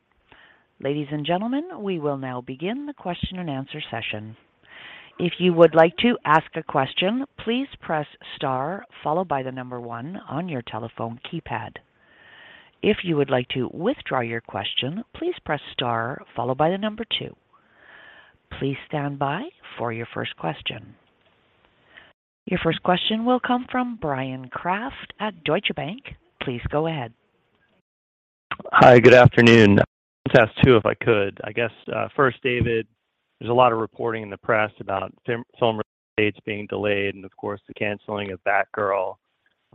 Ladies and gentlemen, we will now begin the question and answer session. If you would like to ask a question, please press star followed by the number one on your telephone keypad. If you would like to withdraw your question, please press star followed by the number two. Please stand by for your first question. Your first question will come from Bryan Kraft at Deutsche Bank. Please go ahead. Hi, good afternoon. I'll ask two, if I could. I guess, first, David, there's a lot of reporting in the press about film release dates being delayed and of course, the canceling of Batgirl.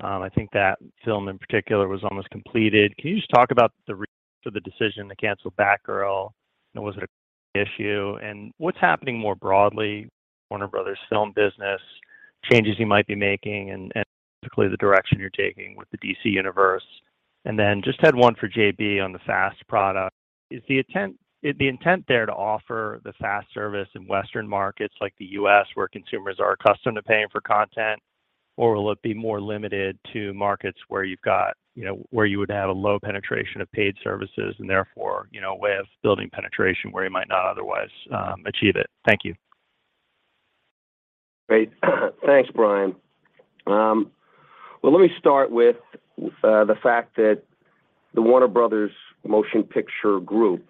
I think that film in particular was almost completed. Can you just talk about the reason for the decision to cancel Batgirl? Was it a creative issue? What's happening more broadly with Warner Bros. film business, changes you might be making and specifically the direction you're taking with the DC Universe? Then I just have one for JB on the FAST product. Is the intent there to offer the FAST service in Western markets like the US where consumers are accustomed to paying for content? Will it be more limited to markets where you've got, you know, where you would have a low penetration of paid services and therefore, you know, a way of building penetration where you might not otherwise achieve it? Thank you. Great. Thanks, Brian. Well, let me start with the fact that the Warner Bros. Motion Picture Group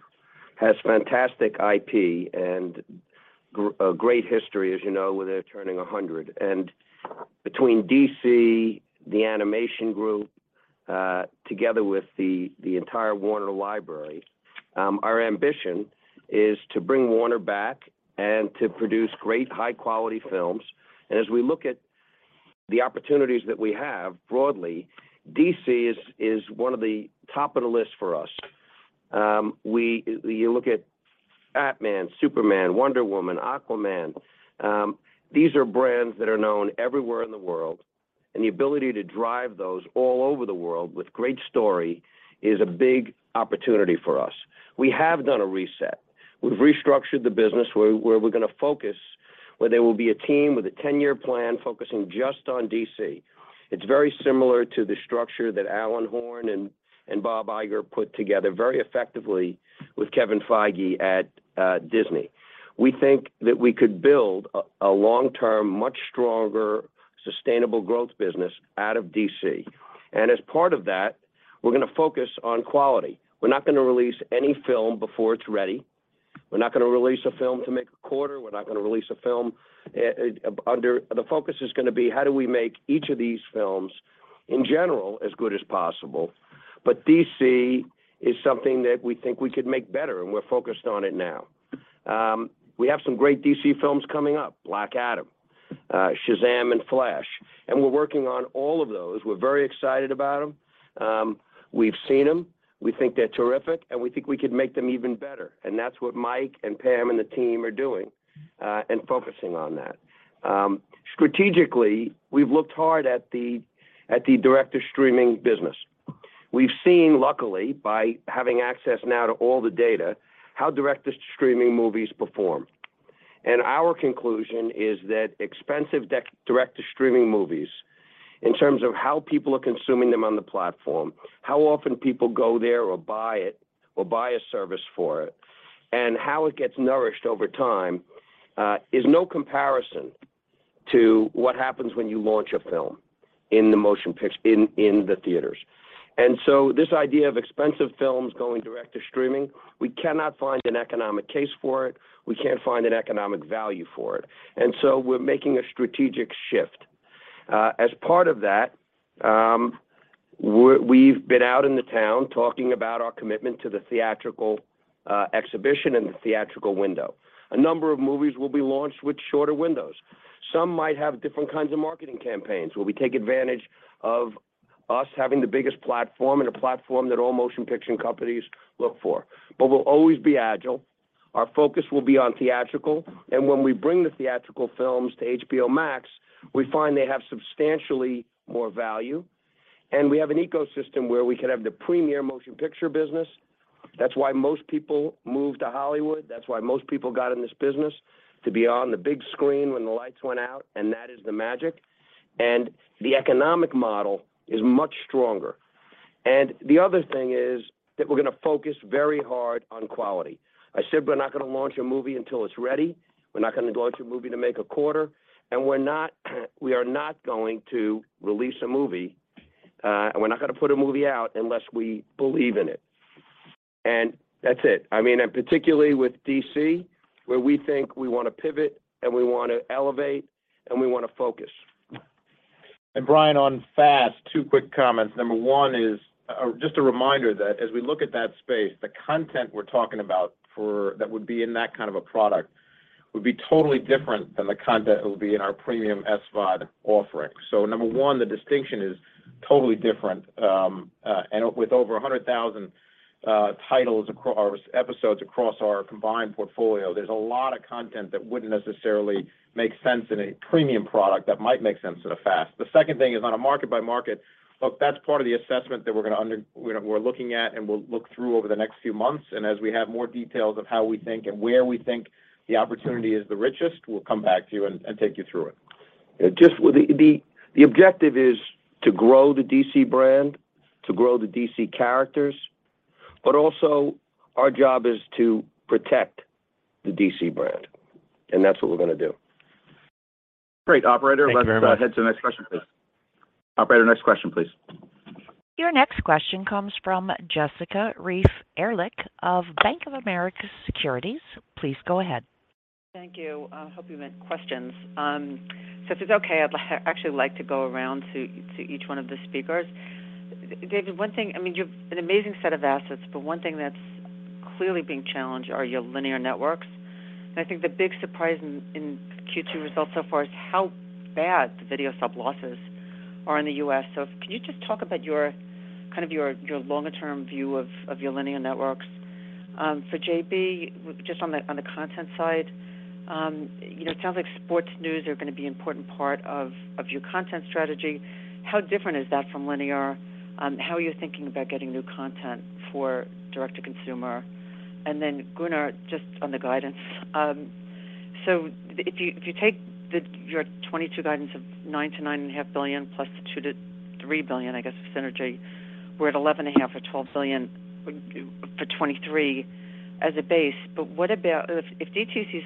has fantastic IP and a great history, as you know, with it turning a hundred. Between DC, the animation group, together with the entire Warner library, our ambition is to bring Warner back and to produce great high quality films. As we look at the opportunities that we have broadly, DC is one of the top of the list for us. You look at Batman, Superman, Wonder Woman, Aquaman, these are brands that are known everywhere in the world, and the ability to drive those all over the world with great story is a big opportunity for us. We have done a reset. We've restructured the business where we're gonna focus, where there will be a team with a 10-year plan focusing just on DC. It's very similar to the structure that Alan Horn and Bob Iger put together very effectively with Kevin Feige at Disney. We think that we could build a long-term, much stronger sustainable growth business out of DC. As part of that, we're gonna focus on quality. We're not gonna release any film before it's ready. We're not gonna release a film to make a quarter. We're not gonna release a film. The focus is gonna be how do we make each of these films, in general, as good as possible. DC is something that we think we could make better, and we're focused on it now. We have some great DC films coming up, Black Adam, Shazam, and Flash, and we're working on all of those. We're very excited about them. We've seen them. We think they're terrific, and we think we could make them even better. That's what Mike and Pam and the team are doing, and focusing on that. Strategically, we've looked hard at the direct-to-streaming business. We've seen luckily by having access now to all the data, how direct-to-streaming movies perform. Our conclusion is that expensive direct-to-streaming movies, in terms of how people are consuming them on the platform, how often people go there or buy it or buy a service for it, and how it gets nourished over time, is no comparison to what happens when you launch a film in the motion picture theaters. This idea of expensive films going direct to streaming, we cannot find an economic case for it. We can't find an economic value for it. We're making a strategic shift. As part of that, we've been out in the town talking about our commitment to the theatrical exhibition and the theatrical window. A number of movies will be launched with shorter windows. Some might have different kinds of marketing campaigns where we take advantage of us having the biggest platform and a platform that all motion picture companies look for. But we'll always be agile. Our focus will be on theatrical. When we bring the theatrical films to HBO Max, we find they have substantially more value. We have an ecosystem where we can have the premier motion picture business. That's why most people moved to Hollywood. That's why most people got in this business to be on the big screen when the lights went out, and that is the magic. The economic model is much stronger. The other thing is that we're gonna focus very hard on quality. I said we're not gonna launch a movie until it's ready. We're not gonna launch a movie to make a quarter, and we are not going to release a movie, and we're not gonna put a movie out unless we believe in it. That's it. I mean, particularly with DC, where we think we wanna pivot and we wanna elevate and we wanna focus. Bryan, on FAST, two quick comments. Number one is just a reminder that as we look at that space, the content we're talking about for that would be in that kind of a product, would be totally different than the content that will be in our premium SVOD offering. Number one, the distinction is totally different. And with over 100,000 titles across episodes across our combined portfolio, there's a lot of content that wouldn't necessarily make sense in a premium product that might make sense in a FAST. The second thing is on a market by market look, that's part of the assessment that we're looking at, and we'll look through over the next few months. As we have more details of how we think and where we think the opportunity is the richest, we'll come back to you and take you through it. The objective is to grow the DC brand, to grow the DC characters, but also our job is to protect the DC brand, and that's what we're gonna do. Great. Operator. Thank you very much. Let's head to the next question, please. Operator, next question, please. Your next question comes from Jessica Reif Ehrlich of Bank of America Securities. Please go ahead. Thank you. I hope you meant questions. If it's okay, actually like to go around to each one of the speakers. David, one thing, I mean, you've an amazing set of assets, but one thing that's clearly being challenged are your linear networks. I think the big surprise in Q2 results so far is how bad the video sub losses are in the US. Can you just talk about your longer term view of your linear networks? For JB, just on the content side, you know, it sounds like sports news are gonna be important part of your content strategy. How different is that from linear? How are you thinking about getting new content for direct to consumer? Gunnar, just on the guidance. If you take your 2022 guidance of $9-$9.5 billion + $2-$3 billion, I guess, of synergy, we're at $11.5 or $12 billion for 2023 as a base. What about if DTC's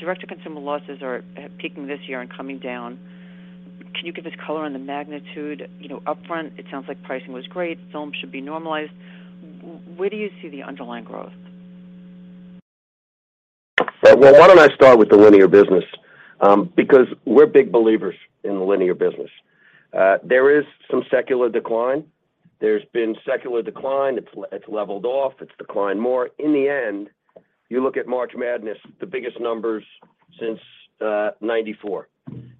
direct to consumer losses are peaking this year and coming down? Can you give us color on the magnitude? You know, upfront, it sounds like pricing was great. Films should be normalized. Where do you see the underlying growth? Well, why don't I start with the linear business, because we're big believers in the linear business. There is some secular decline. There's been secular decline. It's leveled off. It's declined more. In the end, you look at March Madness, the biggest numbers since 1994,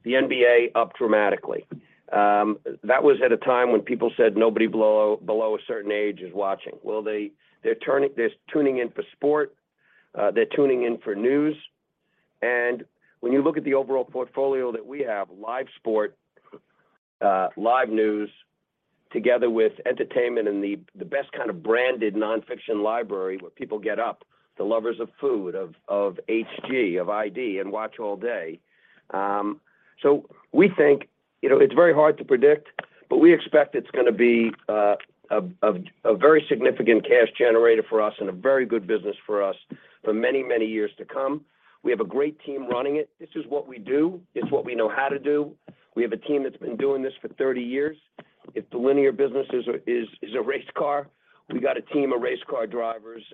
the NBA up dramatically. That was at a time when people said nobody below a certain age is watching. Well, they're tuning in for sport. They're tuning in for news. When you look at the overall portfolio that we have, live sport, live news together with entertainment and the best kind of branded nonfiction library where people get up, the lovers of food, of HG, of ID and watch all day. We think, you know, it's very hard to predict, but we expect it's gonna be a very significant cash generator for us and a very good business for us for many, many years to come. We have a great team running it. This is what we do. It's what we know how to do. We have a team that's been doing this for 30 years. If the linear business is a race car, we got a team of race car drivers.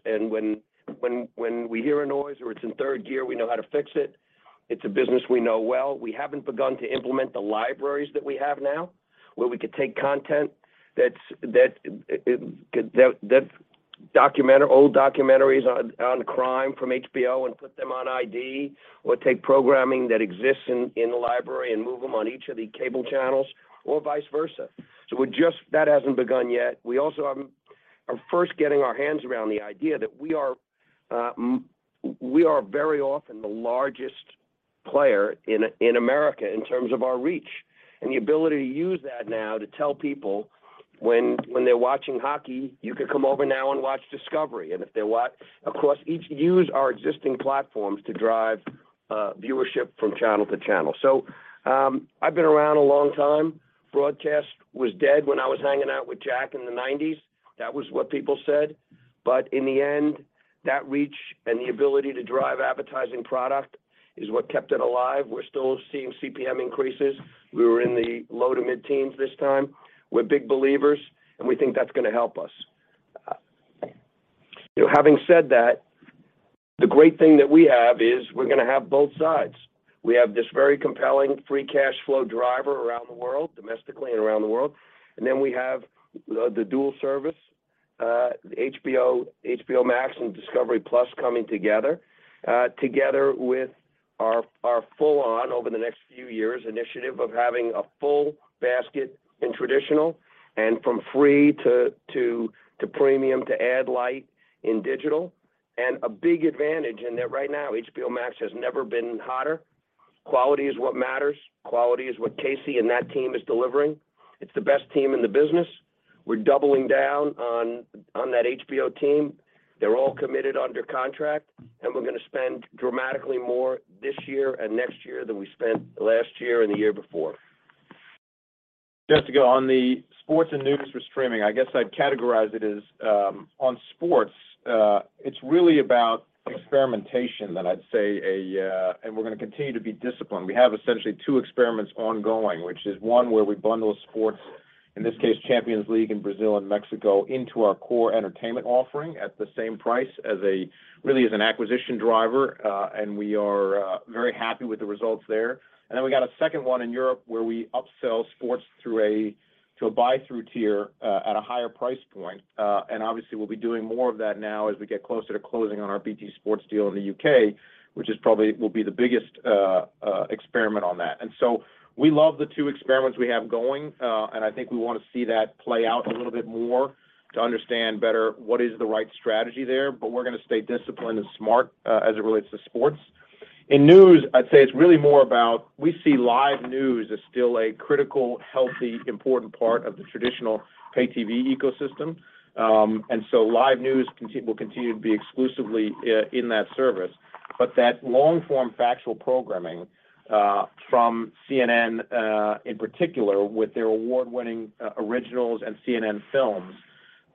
When we hear a noise or it's in third gear, we know how to fix it. It's a business we know well. We haven't begun to implement the libraries that we have now, where we could take content, old documentaries on crime from HBO and put them on ID or take programming that exists in the library and move them on each of the cable channels or vice versa. That hasn't begun yet. We also are first getting our hands around the idea that we are very often the largest player in America in terms of our reach and the ability to use that now to tell people when they're watching hockey, you could come over now and watch Discovery. If they watch across each, use our existing platforms to drive viewership from channel to channel. I've been around a long time. Broadcast was dead when I was hanging out with Jack Welch in the 1990s. That was what people said. In the end, that reach and the ability to drive advertising product is what kept it alive. We're still seeing CPM increases. We were in the low- to mid-teens% this time. We're big believers, and we think that's gonna help us. Having said that, the great thing that we have is we're gonna have both sides. We have this very compelling free cash flow driver around the world, domestically and around the world. Then we have the dual service, HBO Max and Discovery+ coming together with our full on over the next few years initiative of having a full basket in traditional and from free to premium to ad-light in digital. A big advantage in that right now, HBO Max has never been hotter. Quality is what matters. Quality is what Casey and that team is delivering. It's the best team in the business. We're doubling down on that HBO team. They're all committed under contract, and we're gonna spend dramatically more this year and next year than we spent last year and the year before. Just to go on the sports and news for streaming, I guess I'd categorize it as on sports. It's really about experimentation, and we're gonna continue to be disciplined. We have essentially two experiments ongoing, which is one where we bundle sports, in this case, Champions League in Brazil and Mexico, into our core entertainment offering at the same price as a real acquisition driver. We are very happy with the results there. Then we got a second one in Europe where we upsell sports through a buy through tier at a higher price point. Obviously we'll be doing more of that now as we get closer to closing on our BT Sport deal in the UK, which probably will be the biggest experiment on that. We love the two experiments we have going. I think we wanna see that play out a little bit more to understand better what is the right strategy there. We're gonna stay disciplined and smart, as it relates to sports. In news, I'd say it's really more about we see live news as still a critical, healthy, important part of the traditional pay TV ecosystem. Live news will continue to be exclusively, in that service. That long form factual programming, from CNN, in particular with their award-winning, originals and CNN Films,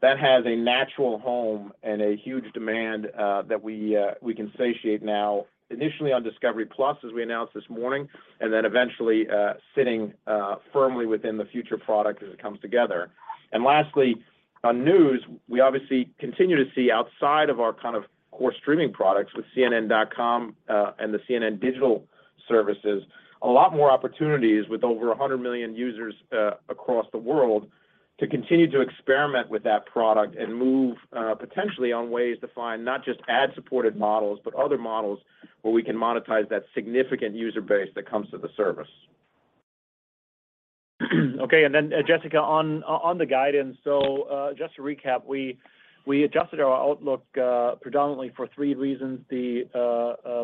that has a natural home and a huge demand, that we can satiate now, initially on Discovery+ as we announced this morning, and then eventually, sitting firmly within the future product as it comes together. Lastly, On news, we obviously continue to see outside of our kind of core streaming products with CNN.com, and the CNN digital services, a lot more opportunities with over 100 million users, across the world to continue to experiment with that product and move, potentially on ways to find not just ad-supported models, but other models where we can monetize that significant user base that comes to the service. Okay. Then Jessica on the guidance. Just to recap, we adjusted our outlook predominantly for three reasons, the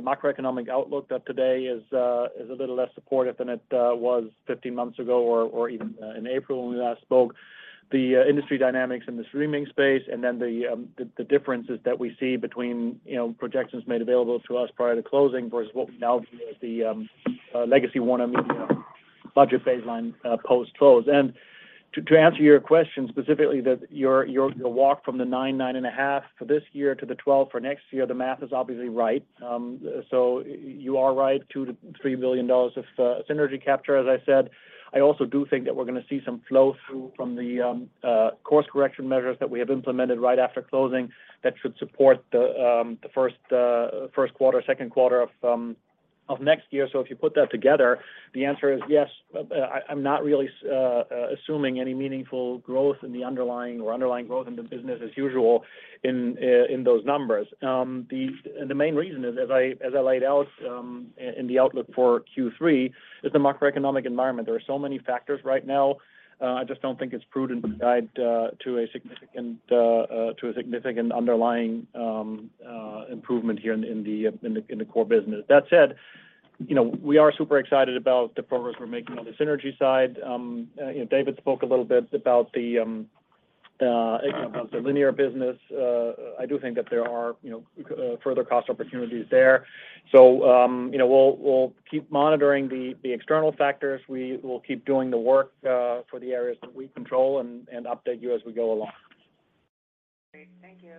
macroeconomic outlook that today is a little less supportive than it was 15 months ago or even in April when we last spoke. The industry dynamics in the streaming space and then the differences that we see between, you know, projections made available to us prior to closing versus what we now view as the legacy WarnerMedia budget baseline post-close. To answer your question specifically, your walk from the 9.5 for this year to the 12 for next year, the math is obviously right. You are right, $2-$3 billion of synergy capture, as I said. I also do think that we're going to see some flow-through from the course correction measures that we have implemented right after closing that should support the first quarter, second quarter of next year. If you put that together, the answer is yes. I'm not really assuming any meaningful growth in the underlying growth in the business as usual in those numbers. The main reason is, as I laid out, in the outlook for Q3, is the macroeconomic environment. There are so many factors right now, I just don't think it's prudent to guide to a significant underlying improvement here in the core business. That said, you know, we are super excited about the progress we're making on the synergy side. You know, David spoke a little bit about the linear business. I do think that there are, you know, further cost opportunities there. You know, we'll keep monitoring the external factors. We will keep doing the work for the areas that we control and update you as we go along. Great. Thank you.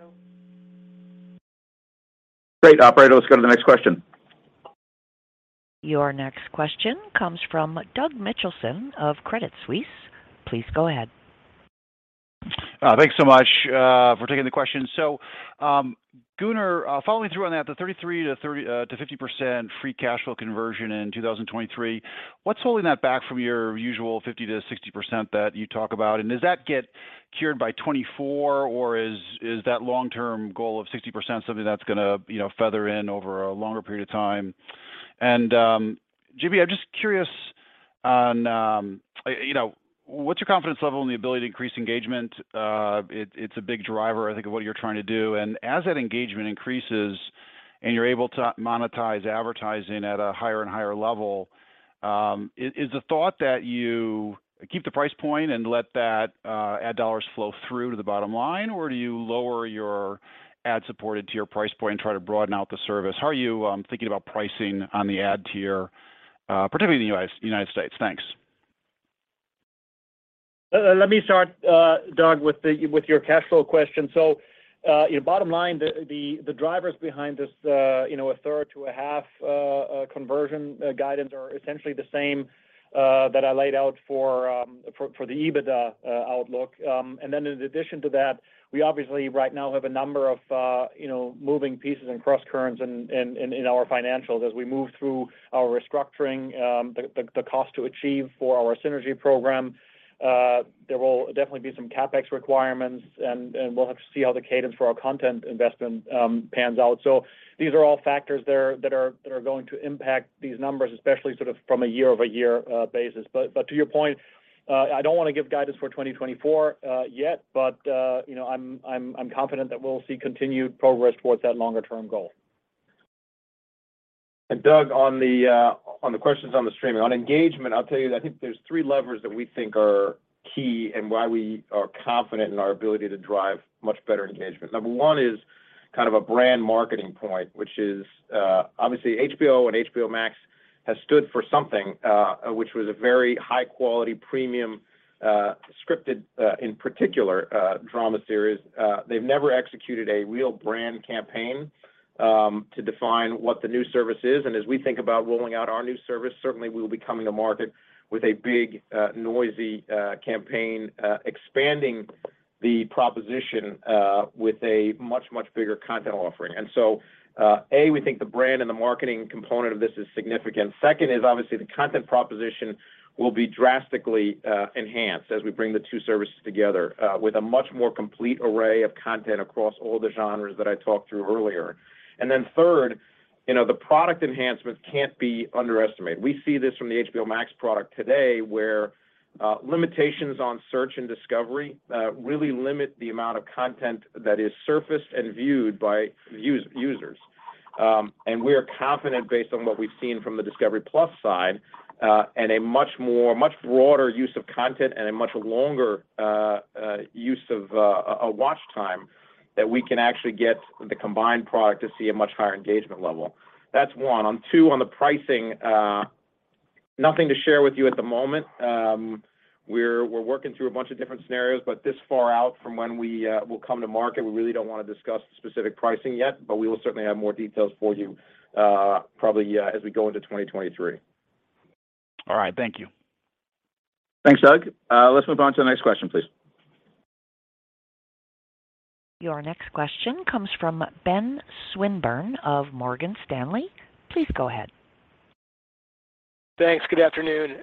Great. Operator, let's go to the next question. Your next question comes from Doug Mitchelson of Credit Suisse. Please go ahead. Thanks so much for taking the question. Gunnar, following through on that, the 33%-50% free cash flow conversion in 2023, what's holding that back from your usual 50%-60% that you talk about? Does that get cured by 2024 or is that long-term goal of 60% something that's gonna, you know, feather in over a longer period of time? JB, I'm just curious on, you know, what's your confidence level in the ability to increase engagement? It's a big driver, I think, of what you're trying to do. As that engagement increases and you're able to monetize advertising at a higher and higher level, is the thought that you keep the price point and let that ad dollars flow through to the bottom line? Do you lower your ad support into your price point and try to broaden out the service? How are you thinking about pricing on the ad tier, particularly in the United States? Thanks. Let me start, Doug, with your cash flow question. You know, bottom line, the drivers behind this, you know, a third to a half conversion guidance are essentially the same that I laid out for the EBITDA outlook. In addition to that, we obviously right now have a number of, you know, moving pieces and crosscurrents in our financials as we move through our restructuring, the cost to achieve for our synergy program. There will definitely be some CapEx requirements and we'll have to see how the cadence for our content investment pans out. These are all factors there that are going to impact these numbers, especially sort of from a year-over-year basis. To your point, I don't wanna give guidance for 2024 yet, but you know, I'm confident that we'll see continued progress towards that longer term goal. Doug, on the questions on the streaming. On engagement, I'll tell you that I think there's 3 levers that we think are key and why we are confident in our ability to drive much better engagement. Number 1 is kind of a brand marketing point, which is obviously HBO and HBO Max has stood for something, which was a very high quality premium scripted, in particular, drama series. They've never executed a real brand campaign to define what the new service is. As we think about rolling out our new service, certainly we'll be coming to market with a big noisy campaign expanding the proposition with a much, much bigger content offering. We think the brand and the marketing component of this is significant. Second is obviously the content proposition will be drastically enhanced as we bring the two services together with a much more complete array of content across all the genres that I talked through earlier. Third, you know, the product enhancements can't be underestimated. We see this from the HBO Max product today, where limitations on search and discovery really limit the amount of content that is surfaced and viewed by users. We are confident based on what we've seen from the Discovery+ side and a much more much broader use of content and a much longer use of a watch time that we can actually get the combined product to see a much higher engagement level. That's one. On two, on the pricing, nothing to share with you at the moment. We're working through a bunch of different scenarios, but this far out from when we will come to market, we really don't wanna discuss the specific pricing yet, but we will certainly have more details for you, probably, as we go into 2023. All right. Thank you. Thanks, Doug. Let's move on to the next question, please. Your next question comes from Ben Swinburne of Morgan Stanley. Please go ahead. Thanks. Good afternoon.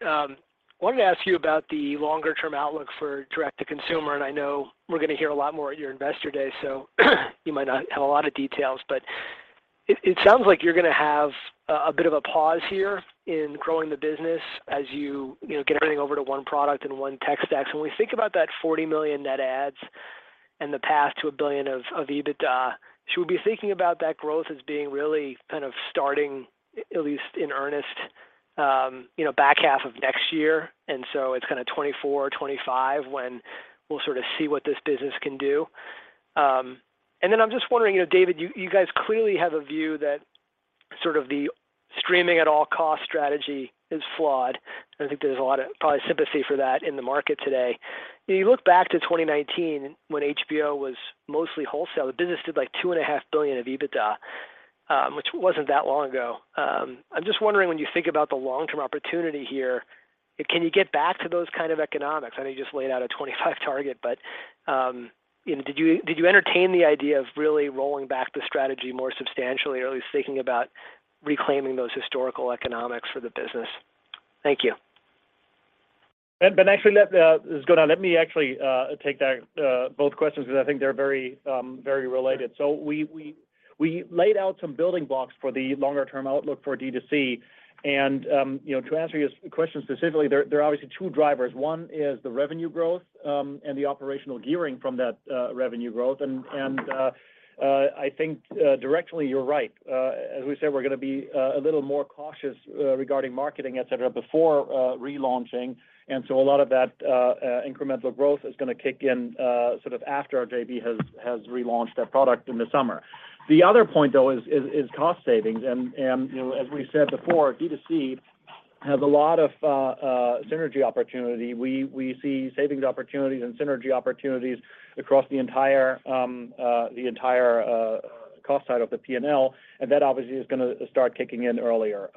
Wanted to ask you about the longer-term outlook for direct-to-consumer, and I know we're gonna hear a lot more at your Investor Day, so you might not have a lot of details. But it sounds like you're gonna have a bit of a pause here in growing the business as you know, get everything over to one product and one tech stack. So when we think about that 40 million net adds and the path to $1 billion of EBITDA, should we be thinking about that growth as being really kind of starting at least in earnest back half of next year and so it's kinda 2024, 2025 when we'll sort of see what this business can do? I'm just wondering, you know, David, you guys clearly have a view that sort of the streaming at all costs strategy is flawed, and I think there's a lot of probably sympathy for that in the market today. You know, you look back to 2019 when HBO was mostly wholesale, the business did like $2.5 billion of EBITDA, which wasn't that long ago. I'm just wondering when you think about the long-term opportunity here, can you get back to those kind of economics? I know you just laid out a 25 target, but, you know, did you entertain the idea of really rolling back the strategy more substantially or at least thinking about reclaiming those historical economics for the business? Thank you. Ben, actually, as we go down, let me actually take both questions 'cause I think they're very, very related. We laid out some building blocks for the longer term outlook for D2C, and you know, to answer your second question specifically, there are obviously two drivers. One is the revenue growth and the operational gearing from that revenue growth. I think directionally, you're right. As we said, we're gonna be a little more cautious regarding marketing, et cetera, before relaunching. A lot of that incremental growth is gonna kick in sort of after our JV has relaunched their product in the summer. The other point, though, is cost savings and, you know, as we said before, D2C has a lot of synergy opportunity. We see savings opportunities and synergy opportunities across the entire cost side of the P&L, and that obviously is gonna start kicking in earlier.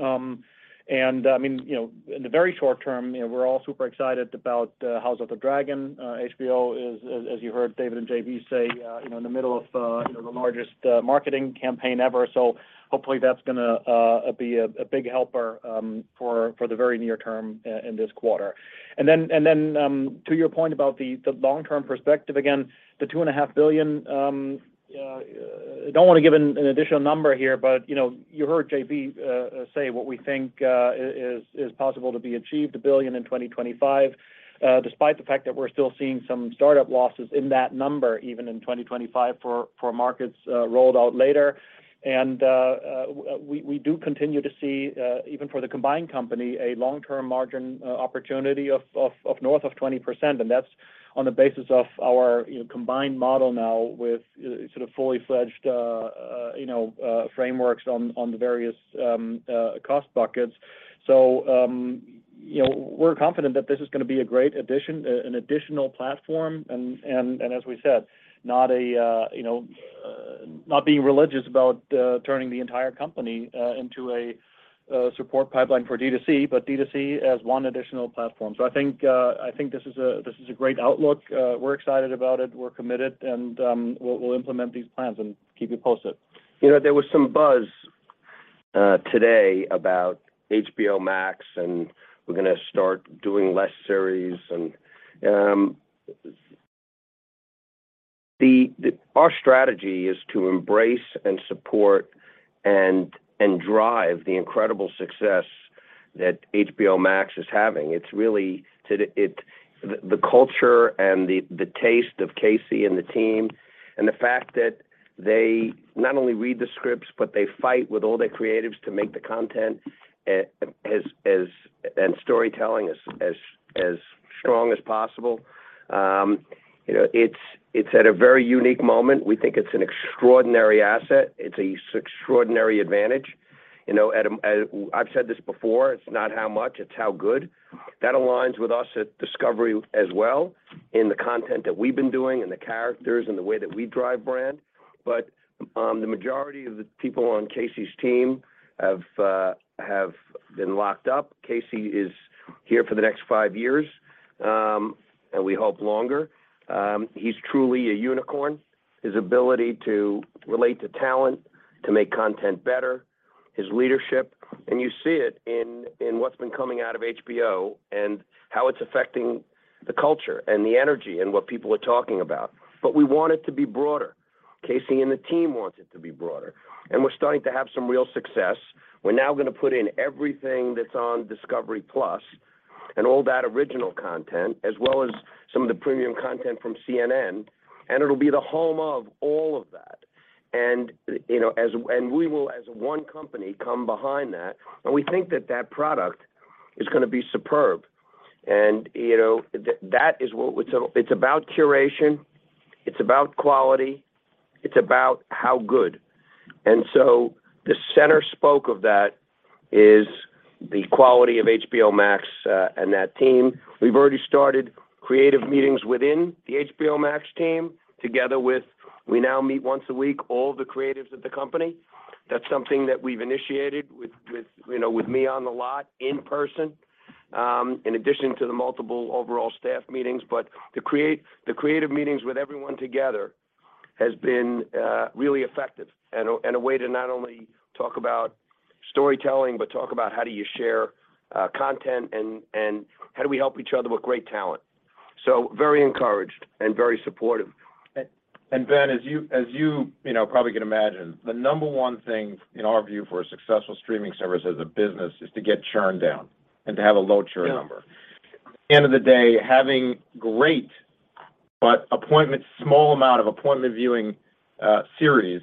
I mean, you know, in the very short term, you know, we're all super excited about House of the Dragon. HBO is, as you heard David and JB say, in the middle of the largest marketing campaign ever. Hopefully, that's gonna be a big helper for the very near term in this quarter. To your point about the long-term perspective, again, the $2.5 billion, don't wanna give an additional number here, but, you know, you heard JB say what we think is possible to be achieved, $1 billion in 2025, despite the fact that we're still seeing some startup losses in that number even in 2025 for markets rolled out later. We do continue to see, even for the combined company, a long-term margin opportunity of north of 20%, and that's on the basis of our, you know, combined model now with sort of fully fledged, you know, frameworks on the various cost buckets. You know, we're confident that this is gonna be a great addition, an additional platform and as we said, not being religious about turning the entire company into a support pipeline for D2C, but D2C as one additional platform. I think this is a great outlook. We're excited about it. We're committed, and we'll implement these plans and keep you posted. You know, there was some buzz today about HBO Max, and we're gonna start doing less series and our strategy is to embrace and support and drive the incredible success that HBO Max is having. It's really the culture and the taste of Casey and the team and the fact that they not only read the scripts, but they fight with all their creatives to make the content as and storytelling as strong as possible. You know, it's at a very unique moment. We think it's an extraordinary asset. It's an extraordinary advantage. You know, I've said this before, it's not how much, it's how good. That aligns with us at Discovery as well in the content that we've been doing and the characters and the way that we drive brand. The majority of the people on Casey's team have been locked up. Casey is here for the next five years, and we hope longer. He's truly a unicorn. His ability to relate to talent, to make content better, his leadership, and you see it in what's been coming out of HBO and how it's affecting the culture and the energy and what people are talking about. We want it to be broader. Casey and the team wants it to be broader, and we're starting to have some real success. We're now gonna put in everything that's on Discovery+ and all that original content as well as some of the premium content from CNN, and it'll be the home of all of that. You know, we will, as one company, come behind that, and we think that that product is gonna be superb. You know, that is what it's about. It's about curation. It's about quality. It's about how good. The central spoke of that is the quality of HBO Max, and that team. We've already started creative meetings within the HBO Max team. We now meet once a week, all the creatives at the company. That's something that we've initiated with, you know, with me on the lot in person, in addition to the multiple overall staff meetings. The creative meetings with everyone together has been really effective and a way to not only talk about storytelling, but talk about how do you share content and how do we help each other with great talent. Very encouraged and very supportive. Ben, as you know, probably can imagine, the number one thing in our view for a successful streaming service as a business is to get churn down and to have a low churn number. Yeah. End of the day, having great but a small amount of appointment viewing, series,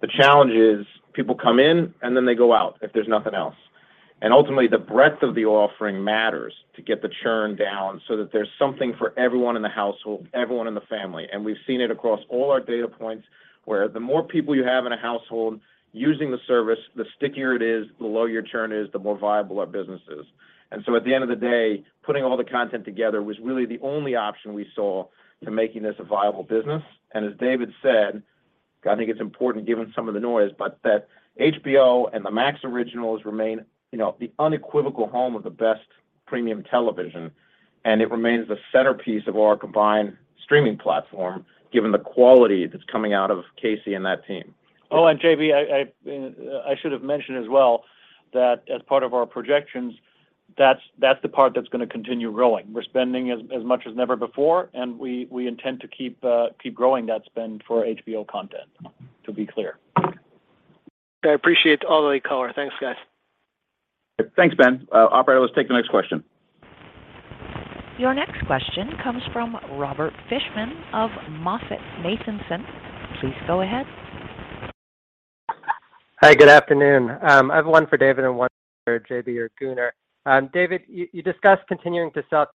the challenge is people come in and then they go out if there's nothing else. Ultimately, the breadth of the offering matters to get the churn down so that there's something for everyone in the household, everyone in the family. We've seen it across all our data points where the more people you have in a household using the service, the stickier it is, the lower your churn is, the more viable our business is. At the end of the day, putting all the content together was really the only option we saw to making this a viable business. As David said, I think it's important given some of the noise, but that HBO and the Max originals remain, you know, the unequivocal home of the best premium television, and it remains the centerpiece of our combined streaming platform, given the quality that's coming out of Casey and that team. Oh, J.B., I should have mentioned as well that as part of our projections, that's the part that's gonna continue growing. We're spending as much as ever before, and we intend to keep growing that spend for HBO content, to be clear. I appreciate all the color. Thanks, guys. Thanks, Ben. Operator, let's take the next question. Your next question comes from Robert Fishman of MoffettNathanson. Please go ahead. Hi, good afternoon. I have one for David and one for J.B. or Gunnar. David, you discussed continuing to sell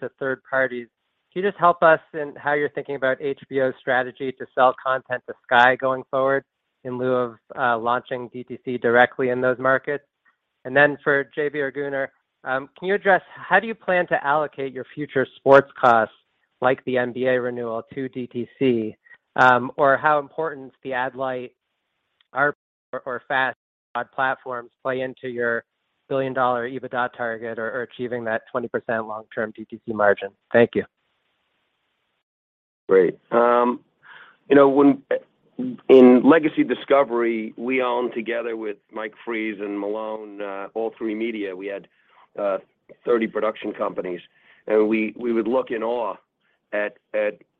to third parties. Can you just help us in how you're thinking about HBO's strategy to sell content to Sky going forward in lieu of launching DTC directly in those markets? For J.B. or Gunnar, can you address how do you plan to allocate your future sports costs like the NBA renewal to DTC? Or how important the ad-lite ARPU or FAST platforms play into your $1 billion EBITDA target or achieving that 20% long-term DTC margin? Thank you. Great. You know, when in Legacy Discovery, we own together with Mike Fries and Malone, All3Media. We had 30 production companies, and we would look in awe at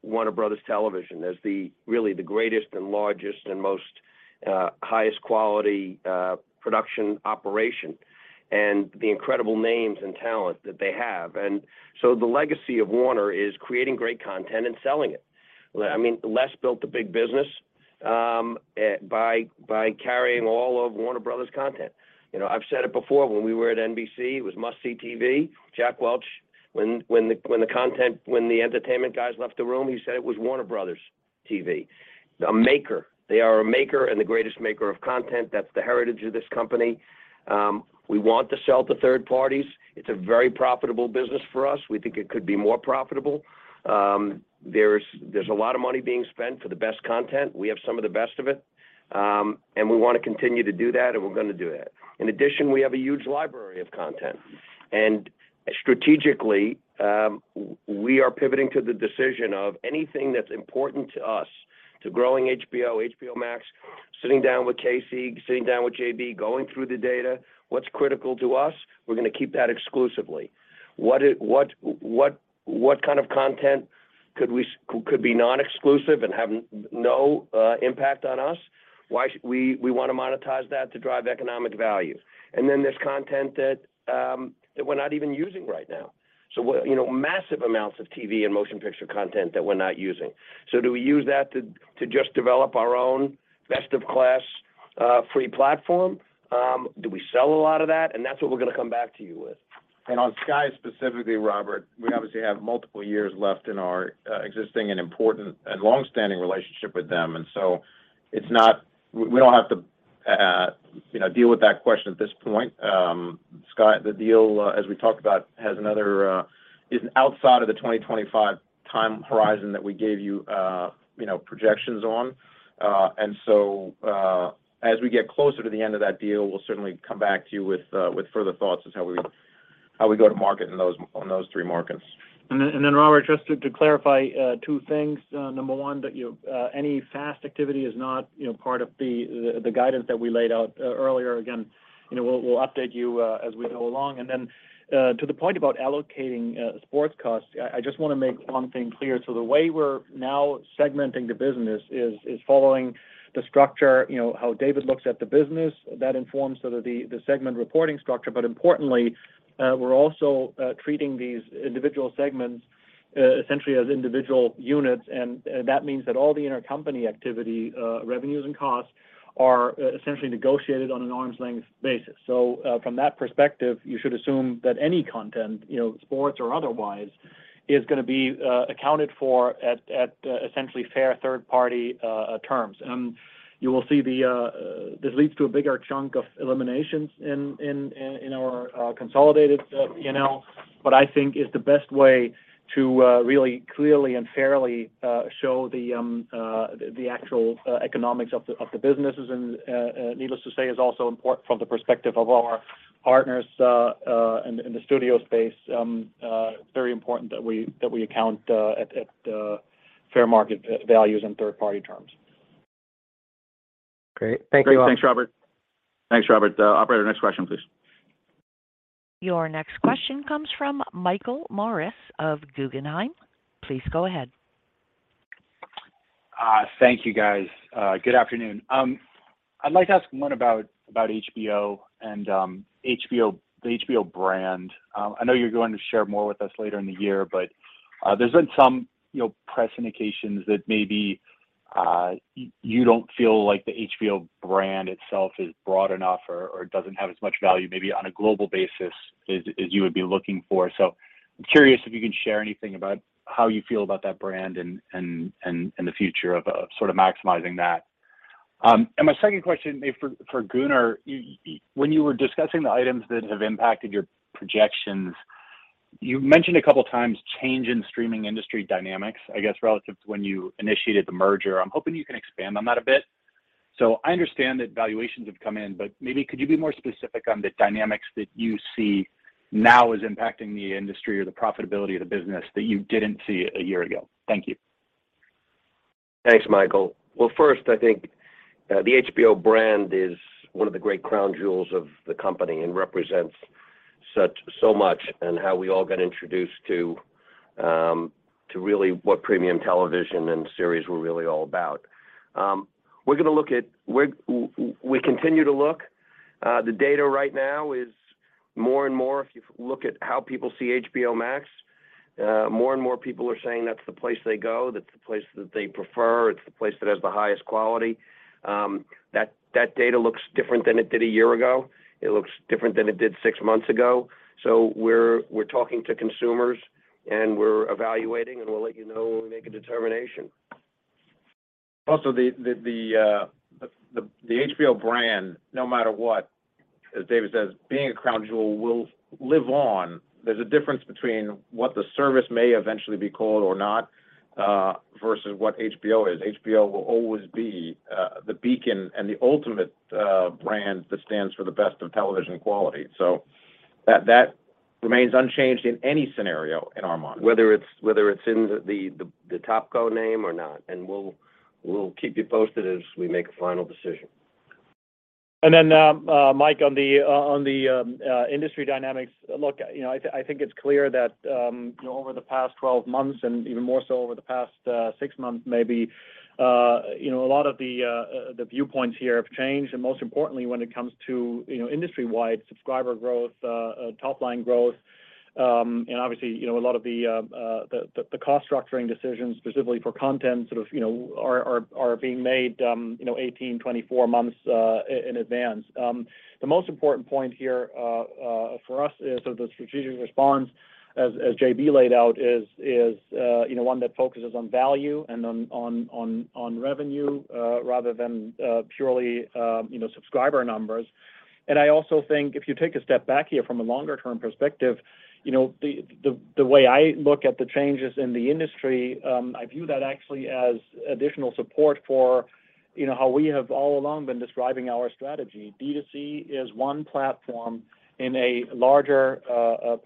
Warner Bros. Television as really the greatest and largest and most highest quality production operation and the incredible names and talent that they have. The legacy of Warner is creating great content and selling it. I mean, Les built a big business by carrying all of Warner Bros. content. You know, I've said it before, when we were at NBC, it was must-see TV. Jack Welch, when the entertainment guys left the room, he said it was Warner Bros. TV. A maker. They are a maker and the greatest maker of content. That's the heritage of this company. We want to sell to third parties. It's a very profitable business for us. We think it could be more profitable. There's a lot of money being spent for the best content. We have some of the best of it, and we wanna continue to do that, and we're gonna do that. In addition, we have a huge library of content. Strategically, we are pivoting to the decision of anything that's important to us to growing HBO Max, sitting down with Casey, sitting down with J.B., going through the data, what's critical to us, we're gonna keep that exclusively. What kind of content could be non-exclusive and have no impact on us? We wanna monetize that to drive economic value. There's content that we're not even using right now. You know, massive amounts of TV and motion picture content that we're not using. Do we use that to just develop our own best of class free platform? Do we sell a lot of that? That's what we're gonna come back to you with. On Sky specifically, Robert, we obviously have multiple years left in our existing and important and long-standing relationship with them. We don't have to, you know, deal with that question at this point. Sky, the deal, as we talked about, is outside of the 2025 time horizon that we gave you know, projections on. As we get closer to the end of that deal, we'll certainly come back to you with further thoughts on how we go to market in those three markets. Robert, just to clarify two things. Number one, that any FAST activity is not, you know, part of the guidance that we laid out earlier. Again, you know, we'll update you as we go along. To the point about allocating sports costs, I just wanna make one thing clear. The way we're now segmenting the business is following the structure, you know, how David looks at the business. That informs sort of the segment reporting structure. Importantly, we're also treating these individual segments essentially as individual units. That means that all the intercompany activity, revenues and costs are essentially negotiated on an arm's length basis. From that perspective, you should assume that any content, you know, sports or otherwise, is gonna be accounted for at essentially fair third party terms. You will see this leads to a bigger chunk of eliminations in our consolidated P&L, but I think is the best way to really clearly and fairly show the actual economics of the businesses. Needless to say, is also important from the perspective of our partners in the studio space. Very important that we account at fair market values and third party terms. Great. Thank you all. Great. Thanks, Robert. Operator, next question, please. Your next question comes from Michael Morris of Guggenheim. Please go ahead. Thank you, guys. Good afternoon. I'd like to ask one about HBO and the HBO brand. I know you're going to share more with us later in the year, but there's been some, you know, press indications that maybe you don't feel like the HBO brand itself is broad enough or doesn't have as much value maybe on a global basis as you would be looking for. I'm curious if you can share anything about how you feel about that brand and the future of sort of maximizing that. My second question is for Gunnar. When you were discussing the items that have impacted your projections, you mentioned a couple times, change in streaming industry dynamics, I guess, relative to when you initiated the merger. I'm hoping you can expand on that a bit. I understand that valuations have come in, but maybe could you be more specific on the dynamics that you see now as impacting the industry or the profitability of the business that you didn't see a year ago? Thank you. Thanks, Michael. Well, first, I think, the HBO brand is one of the great crown jewels of the company and represents such so much in how we all got introduced to to really what premium television and series were really all about. We continue to look. The data right now is more and more, if you look at how people see HBO Max, more and more people are saying that's the place they go, that's the place that they prefer, it's the place that has the highest quality. That data looks different than it did a year ago. It looks different than it did six months ago. We're talking to consumers, and we're evaluating, and we'll let you know when we make a determination. The HBO brand, no matter what, as David says, being a crown jewel will live on. There's a difference between what the service may eventually be called or not, versus what HBO is. HBO will always be the beacon and the ultimate brand that stands for the best of television quality. That remains unchanged in any scenario in our minds. Whether it's in the TopCo name or not, and we'll keep you posted as we make a final decision. Mike, on the industry dynamics. Look, you know, I think it's clear that, you know, over the past 12 months and even more so over the past 6 months maybe, you know, a lot of the viewpoints here have changed and most importantly when it comes to, you know, industry-wide subscriber growth, top-line growth. Obviously, you know, a lot of the cost structuring decisions specifically for content sort of, you know, are being made, you know, 18-24 months in advance. The most important point here for us is sort of the strategic response as JB laid out is you know one that focuses on value and on revenue rather than purely you know subscriber numbers. I also think if you take a step back here from a longer term perspective you know the way I look at the changes in the industry I view that actually as additional support for you know how we have all along been describing our strategy. D2C is one platform in a larger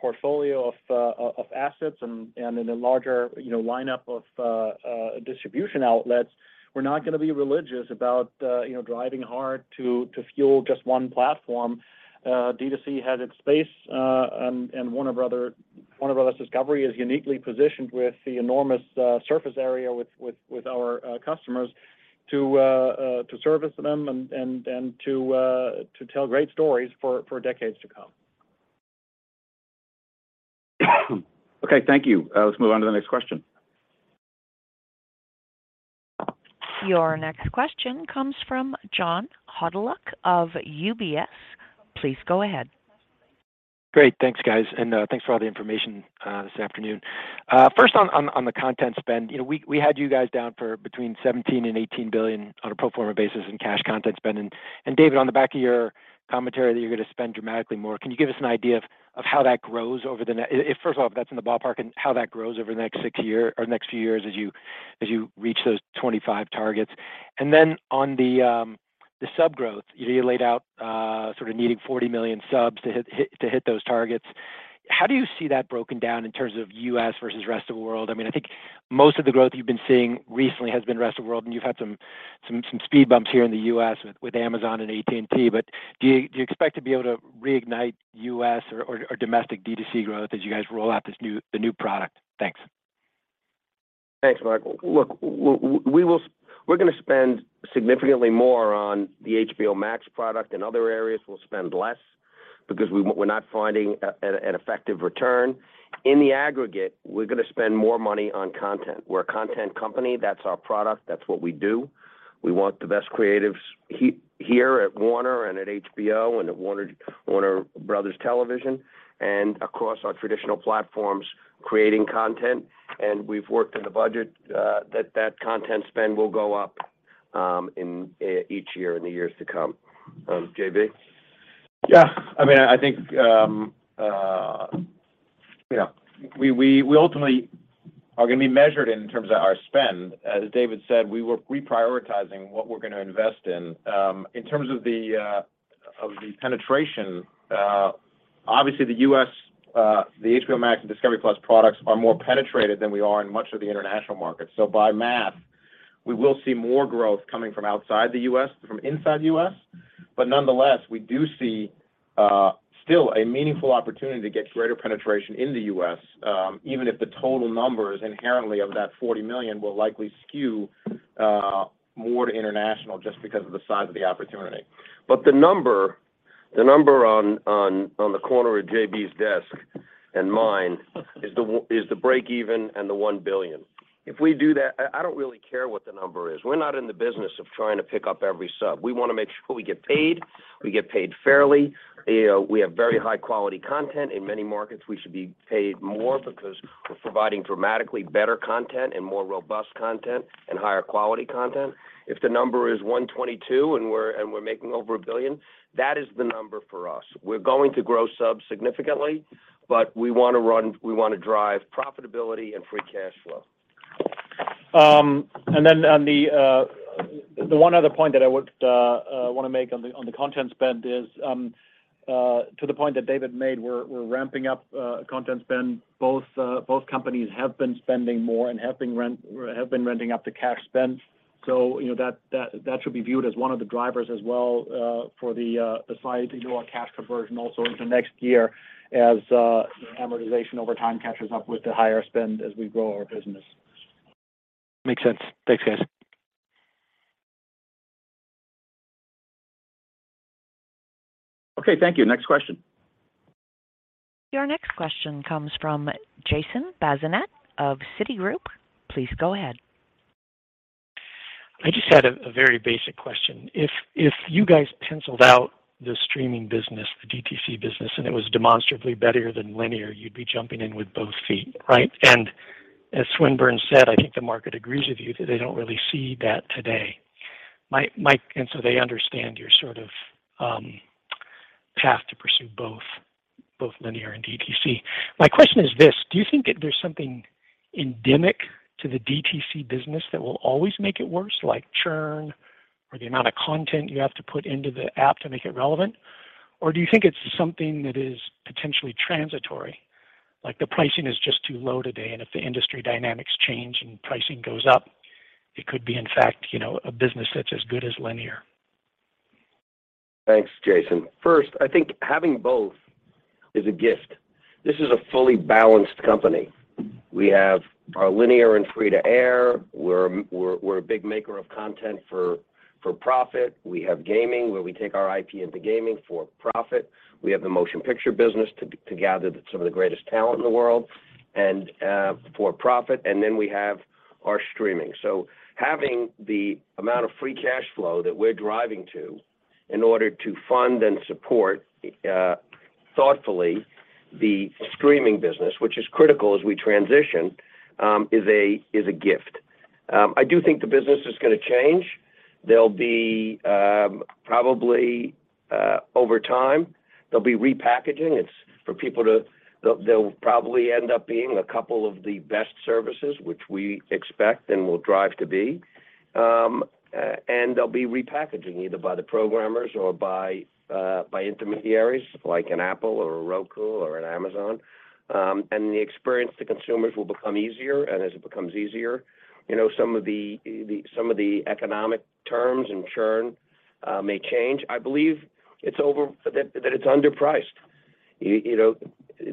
portfolio of assets and in a larger you know lineup of distribution outlets. We're not gonna be religious about you know driving hard to fuel just one platform. D2C has its place, and Warner Bros. Discovery is uniquely positioned with the enormous surface area with our customers to service them and to tell great stories for decades to come. Okay. Thank you. Let's move on to the next question. Your next question comes from John Hodulik of UBS. Please go ahead. Great. Thanks, guys, and thanks for all the information this afternoon. First on the content spend. You know, we had you guys down for between $17 billion and $18 billion on a pro forma basis in cash content spend. And David, on the back of your commentary that you're gonna spend dramatically more, can you give us an idea of how that grows if, first of all, if that's in the ballpark and how that grows over the next six year or next few years as you reach those 25 targets? And then on the sub growth, you know, you laid out sort of needing 40 million subs to hit those targets. How do you see that broken down in terms of U.S. versus rest of the world? I mean, I think most of the growth you've been seeing recently has been rest of world, and you've had some speed bumps here in the U.S. with Amazon and AT&T. Do you expect to be able to reignite U.S. or domestic D2C growth as you guys roll out the new product? Thanks. Thanks, Mark. Look, we're gonna spend significantly more on the HBO Max product. In other areas, we'll spend less because we're not finding an effective return. In the aggregate, we're gonna spend more money on content. We're a content company. That's our product. That's what we do. We want the best creatives here at Warner and at HBO and at Warner Bros. Television and across our traditional platforms creating content. We've worked in the budget that content spend will go up in each year in the years to come. JB. Yeah. I mean, I think, you know, we ultimately are gonna be measured in terms of our spend. As David said, we were reprioritizing what we're gonna invest in. In terms of the. Of the penetration, obviously the US, the HBO Max and Discovery+ products are more penetrated than we are in much of the international market. By math, we will see more growth coming from outside the US than from inside the US. Nonetheless, we do see still a meaningful opportunity to get greater penetration in the US, even if the total numbers inherently of that 40 million will likely skew more to international just because of the size of the opportunity. The number on the corner of JB's desk and mine is the break-even and the 1 billion. If we do that, I don't really care what the number is. We're not in the business of trying to pick up every sub. We wanna make sure we get paid, we get paid fairly, you know, we have very high quality content. In many markets, we should be paid more because we're providing dramatically better content and more robust content and higher quality content. If the number is 122 and we're making over $1 billion, that is the number for us. We're going to grow subs significantly, but we wanna drive profitability and free cash flow. On the one other point that I would wanna make on the content spend is, to the point that David made, we're ramping up content spend. Both companies have been spending more and have been ramping up the cash spend. You know, that should be viewed as one of the drivers as well for the size of our cash conversion also into next year as amortization over time catches up with the higher spend as we grow our business. Makes sense. Thanks, guys. Okay. Thank you. Next question. Your next question comes from Jason Bazinet of Citigroup. Please go ahead. I just had a very basic question. If you guys penciled out the streaming business, the DTC business, and it was demonstrably better than linear, you'd be jumping in with both feet, right? As Swinburn said, I think the market agrees with you that they don't really see that today. They understand your sort of path to pursue both linear and DTC. My question is this: Do you think that there's something endemic to the DTC business that will always make it worse, like churn or the amount of content you have to put into the app to make it relevant? Do you think it's something that is potentially transitory, like the pricing is just too low today, and if the industry dynamics change and pricing goes up, it could be, in fact, you know, a business that's as good as linear? Thanks, Jason. First, I think having both is a gift. This is a fully balanced company. We have our linear and free-to-air. We're a big maker of content for profit. We have gaming, where we take our IP into gaming for profit. We have the motion picture business to gather some of the greatest talent in the world and for profit. We have our streaming. Having the amount of free cash flow that we're driving to in order to fund and support thoughtfully the streaming business, which is critical as we transition, is a gift. I do think the business is gonna change. There'll probably be, over time, repackaging. It's for people to. They'll probably end up being a couple of the best services which we expect and will drive to be. And they'll be repackaging either by the programmers or by intermediaries like an Apple or a Roku or an Amazon. The experience to consumers will become easier. As it becomes easier, some of the economic terms and churn may change. I believe it's over. That it's underpriced. You know.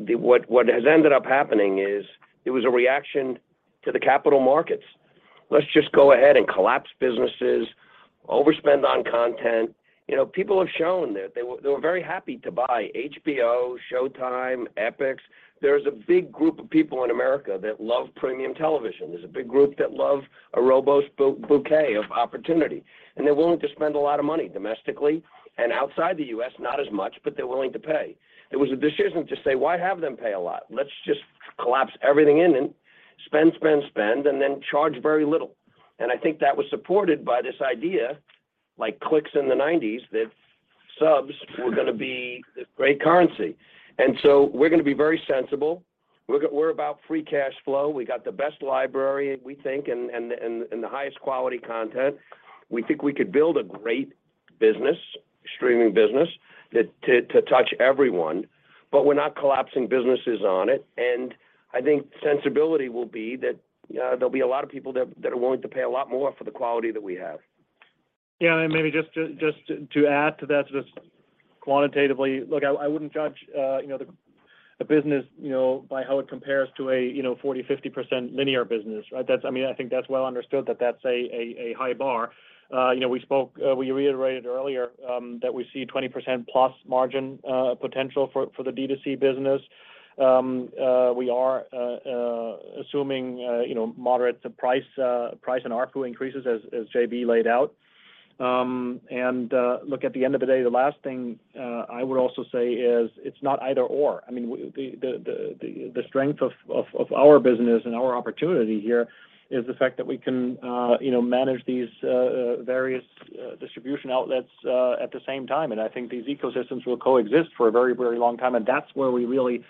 What has ended up happening is it was a reaction to the capital markets. Let's just go ahead and collapse businesses, overspend on content. You know, people have shown that they were very happy to buy HBO, Showtime, Epix. There's a big group of people in America that love premium television. There's a big group that love a robust bouquet of opportunity, and they're willing to spend a lot of money domestically and outside the US, not as much, but they're willing to pay. There was a decision to say, "Why have them pay a lot? Let's just collapse everything in and spend, spend, and then charge very little." I think that was supported by this idea, like clicks in the nineties, that subs were gonna be great currency. We're gonna be very sensible. We're about free cash flow. We got the best library, we think, and the highest quality content. We think we could build a great business, streaming business that to touch everyone, but we're not collapsing businesses on it. I think sensibility will be that there'll be a lot of people that are willing to pay a lot more for the quality that we have. Yeah. Maybe just to add to that quantitatively. Look, I wouldn't judge, you know, the business, you know, by how it compares to a, you know, 40-50% linear business, right? That's I mean I think that's well understood that that's a high bar. You know, we reiterated earlier that we see 20%+ margin potential for the D2C business. We are assuming, you know, moderate price and ARPU increases as JB laid out. Look, at the end of the day, the last thing I would also say is it's not either/or. I mean, the strength of our business and our opportunity here is the fact that we can, you know, manage these various distribution outlets at the same time. I think these ecosystems will coexist for a very, very long time, and that's where we really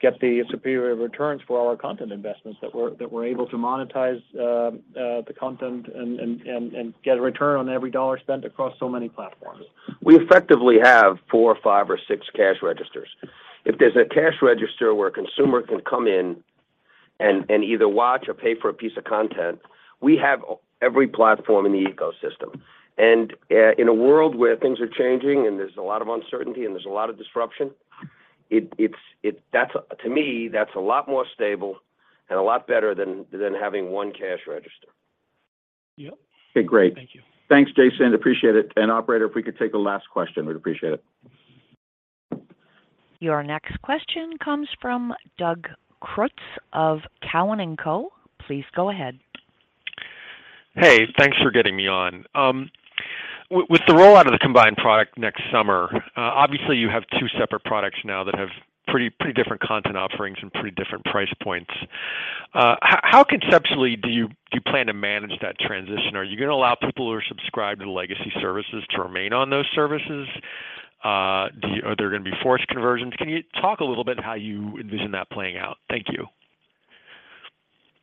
get the superior returns for all our content investments that we're able to monetize the content and get a return on every dollar spent across so many platforms. We effectively have four or five or six cash registers. If there's a cash register where a consumer can come in and either watch or pay for a piece of content, we have every platform in the ecosystem. In a world where things are changing, and there's a lot of uncertainty, and there's a lot of disruption, it's, to me, that's a lot more stable and a lot better than having one cash register. Yep. Okay, great. Thank you. Thanks, Jason. Appreciate it. Operator, if we could take the last question, we'd appreciate it. Your next question comes from Doug Creutz of Cowen and Company. Please go ahead. Hey, thanks for getting me on. With the rollout of the combined product next summer, obviously you have two separate products now that have pretty different content offerings and pretty different price points. How conceptually do you plan to manage that transition? Are you gonna allow people who are subscribed to the legacy services to remain on those services? Are there gonna be forced conversions? Can you talk a little bit how you envision that playing out? Thank you.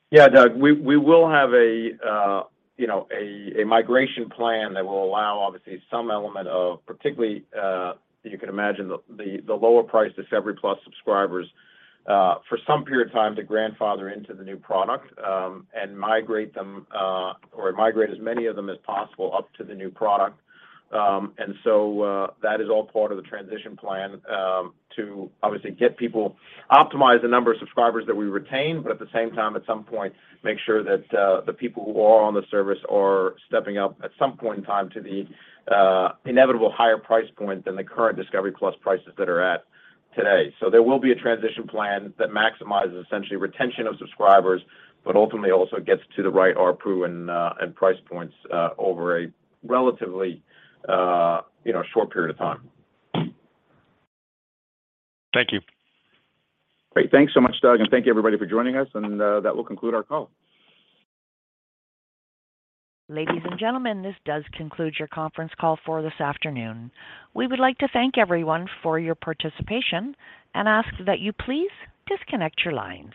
Yeah, Doug, we will have a migration plan that will allow obviously some element of particularly you can imagine the lower priced Discovery+ subscribers for some period of time to grandfather into the new product and migrate them or migrate as many of them as possible up to the new product. That is all part of the transition plan to obviously optimize the number of subscribers that we retain, but at the same time, at some point, make sure that the people who are on the service are stepping up at some point in time to the inevitable higher price point than the current Discovery+ prices that are at today. There will be a transition plan that maximizes essentially retention of subscribers, but ultimately also gets to the right ARPU and price points over a relatively, you know, short period of time. Thank you. Great. Thanks so much, Doug, and thank you everybody for joining us, and that will conclude our call. Ladies and gentlemen, this does conclude your conference call for this afternoon. We would like to thank everyone for your participation and ask that you please disconnect your lines.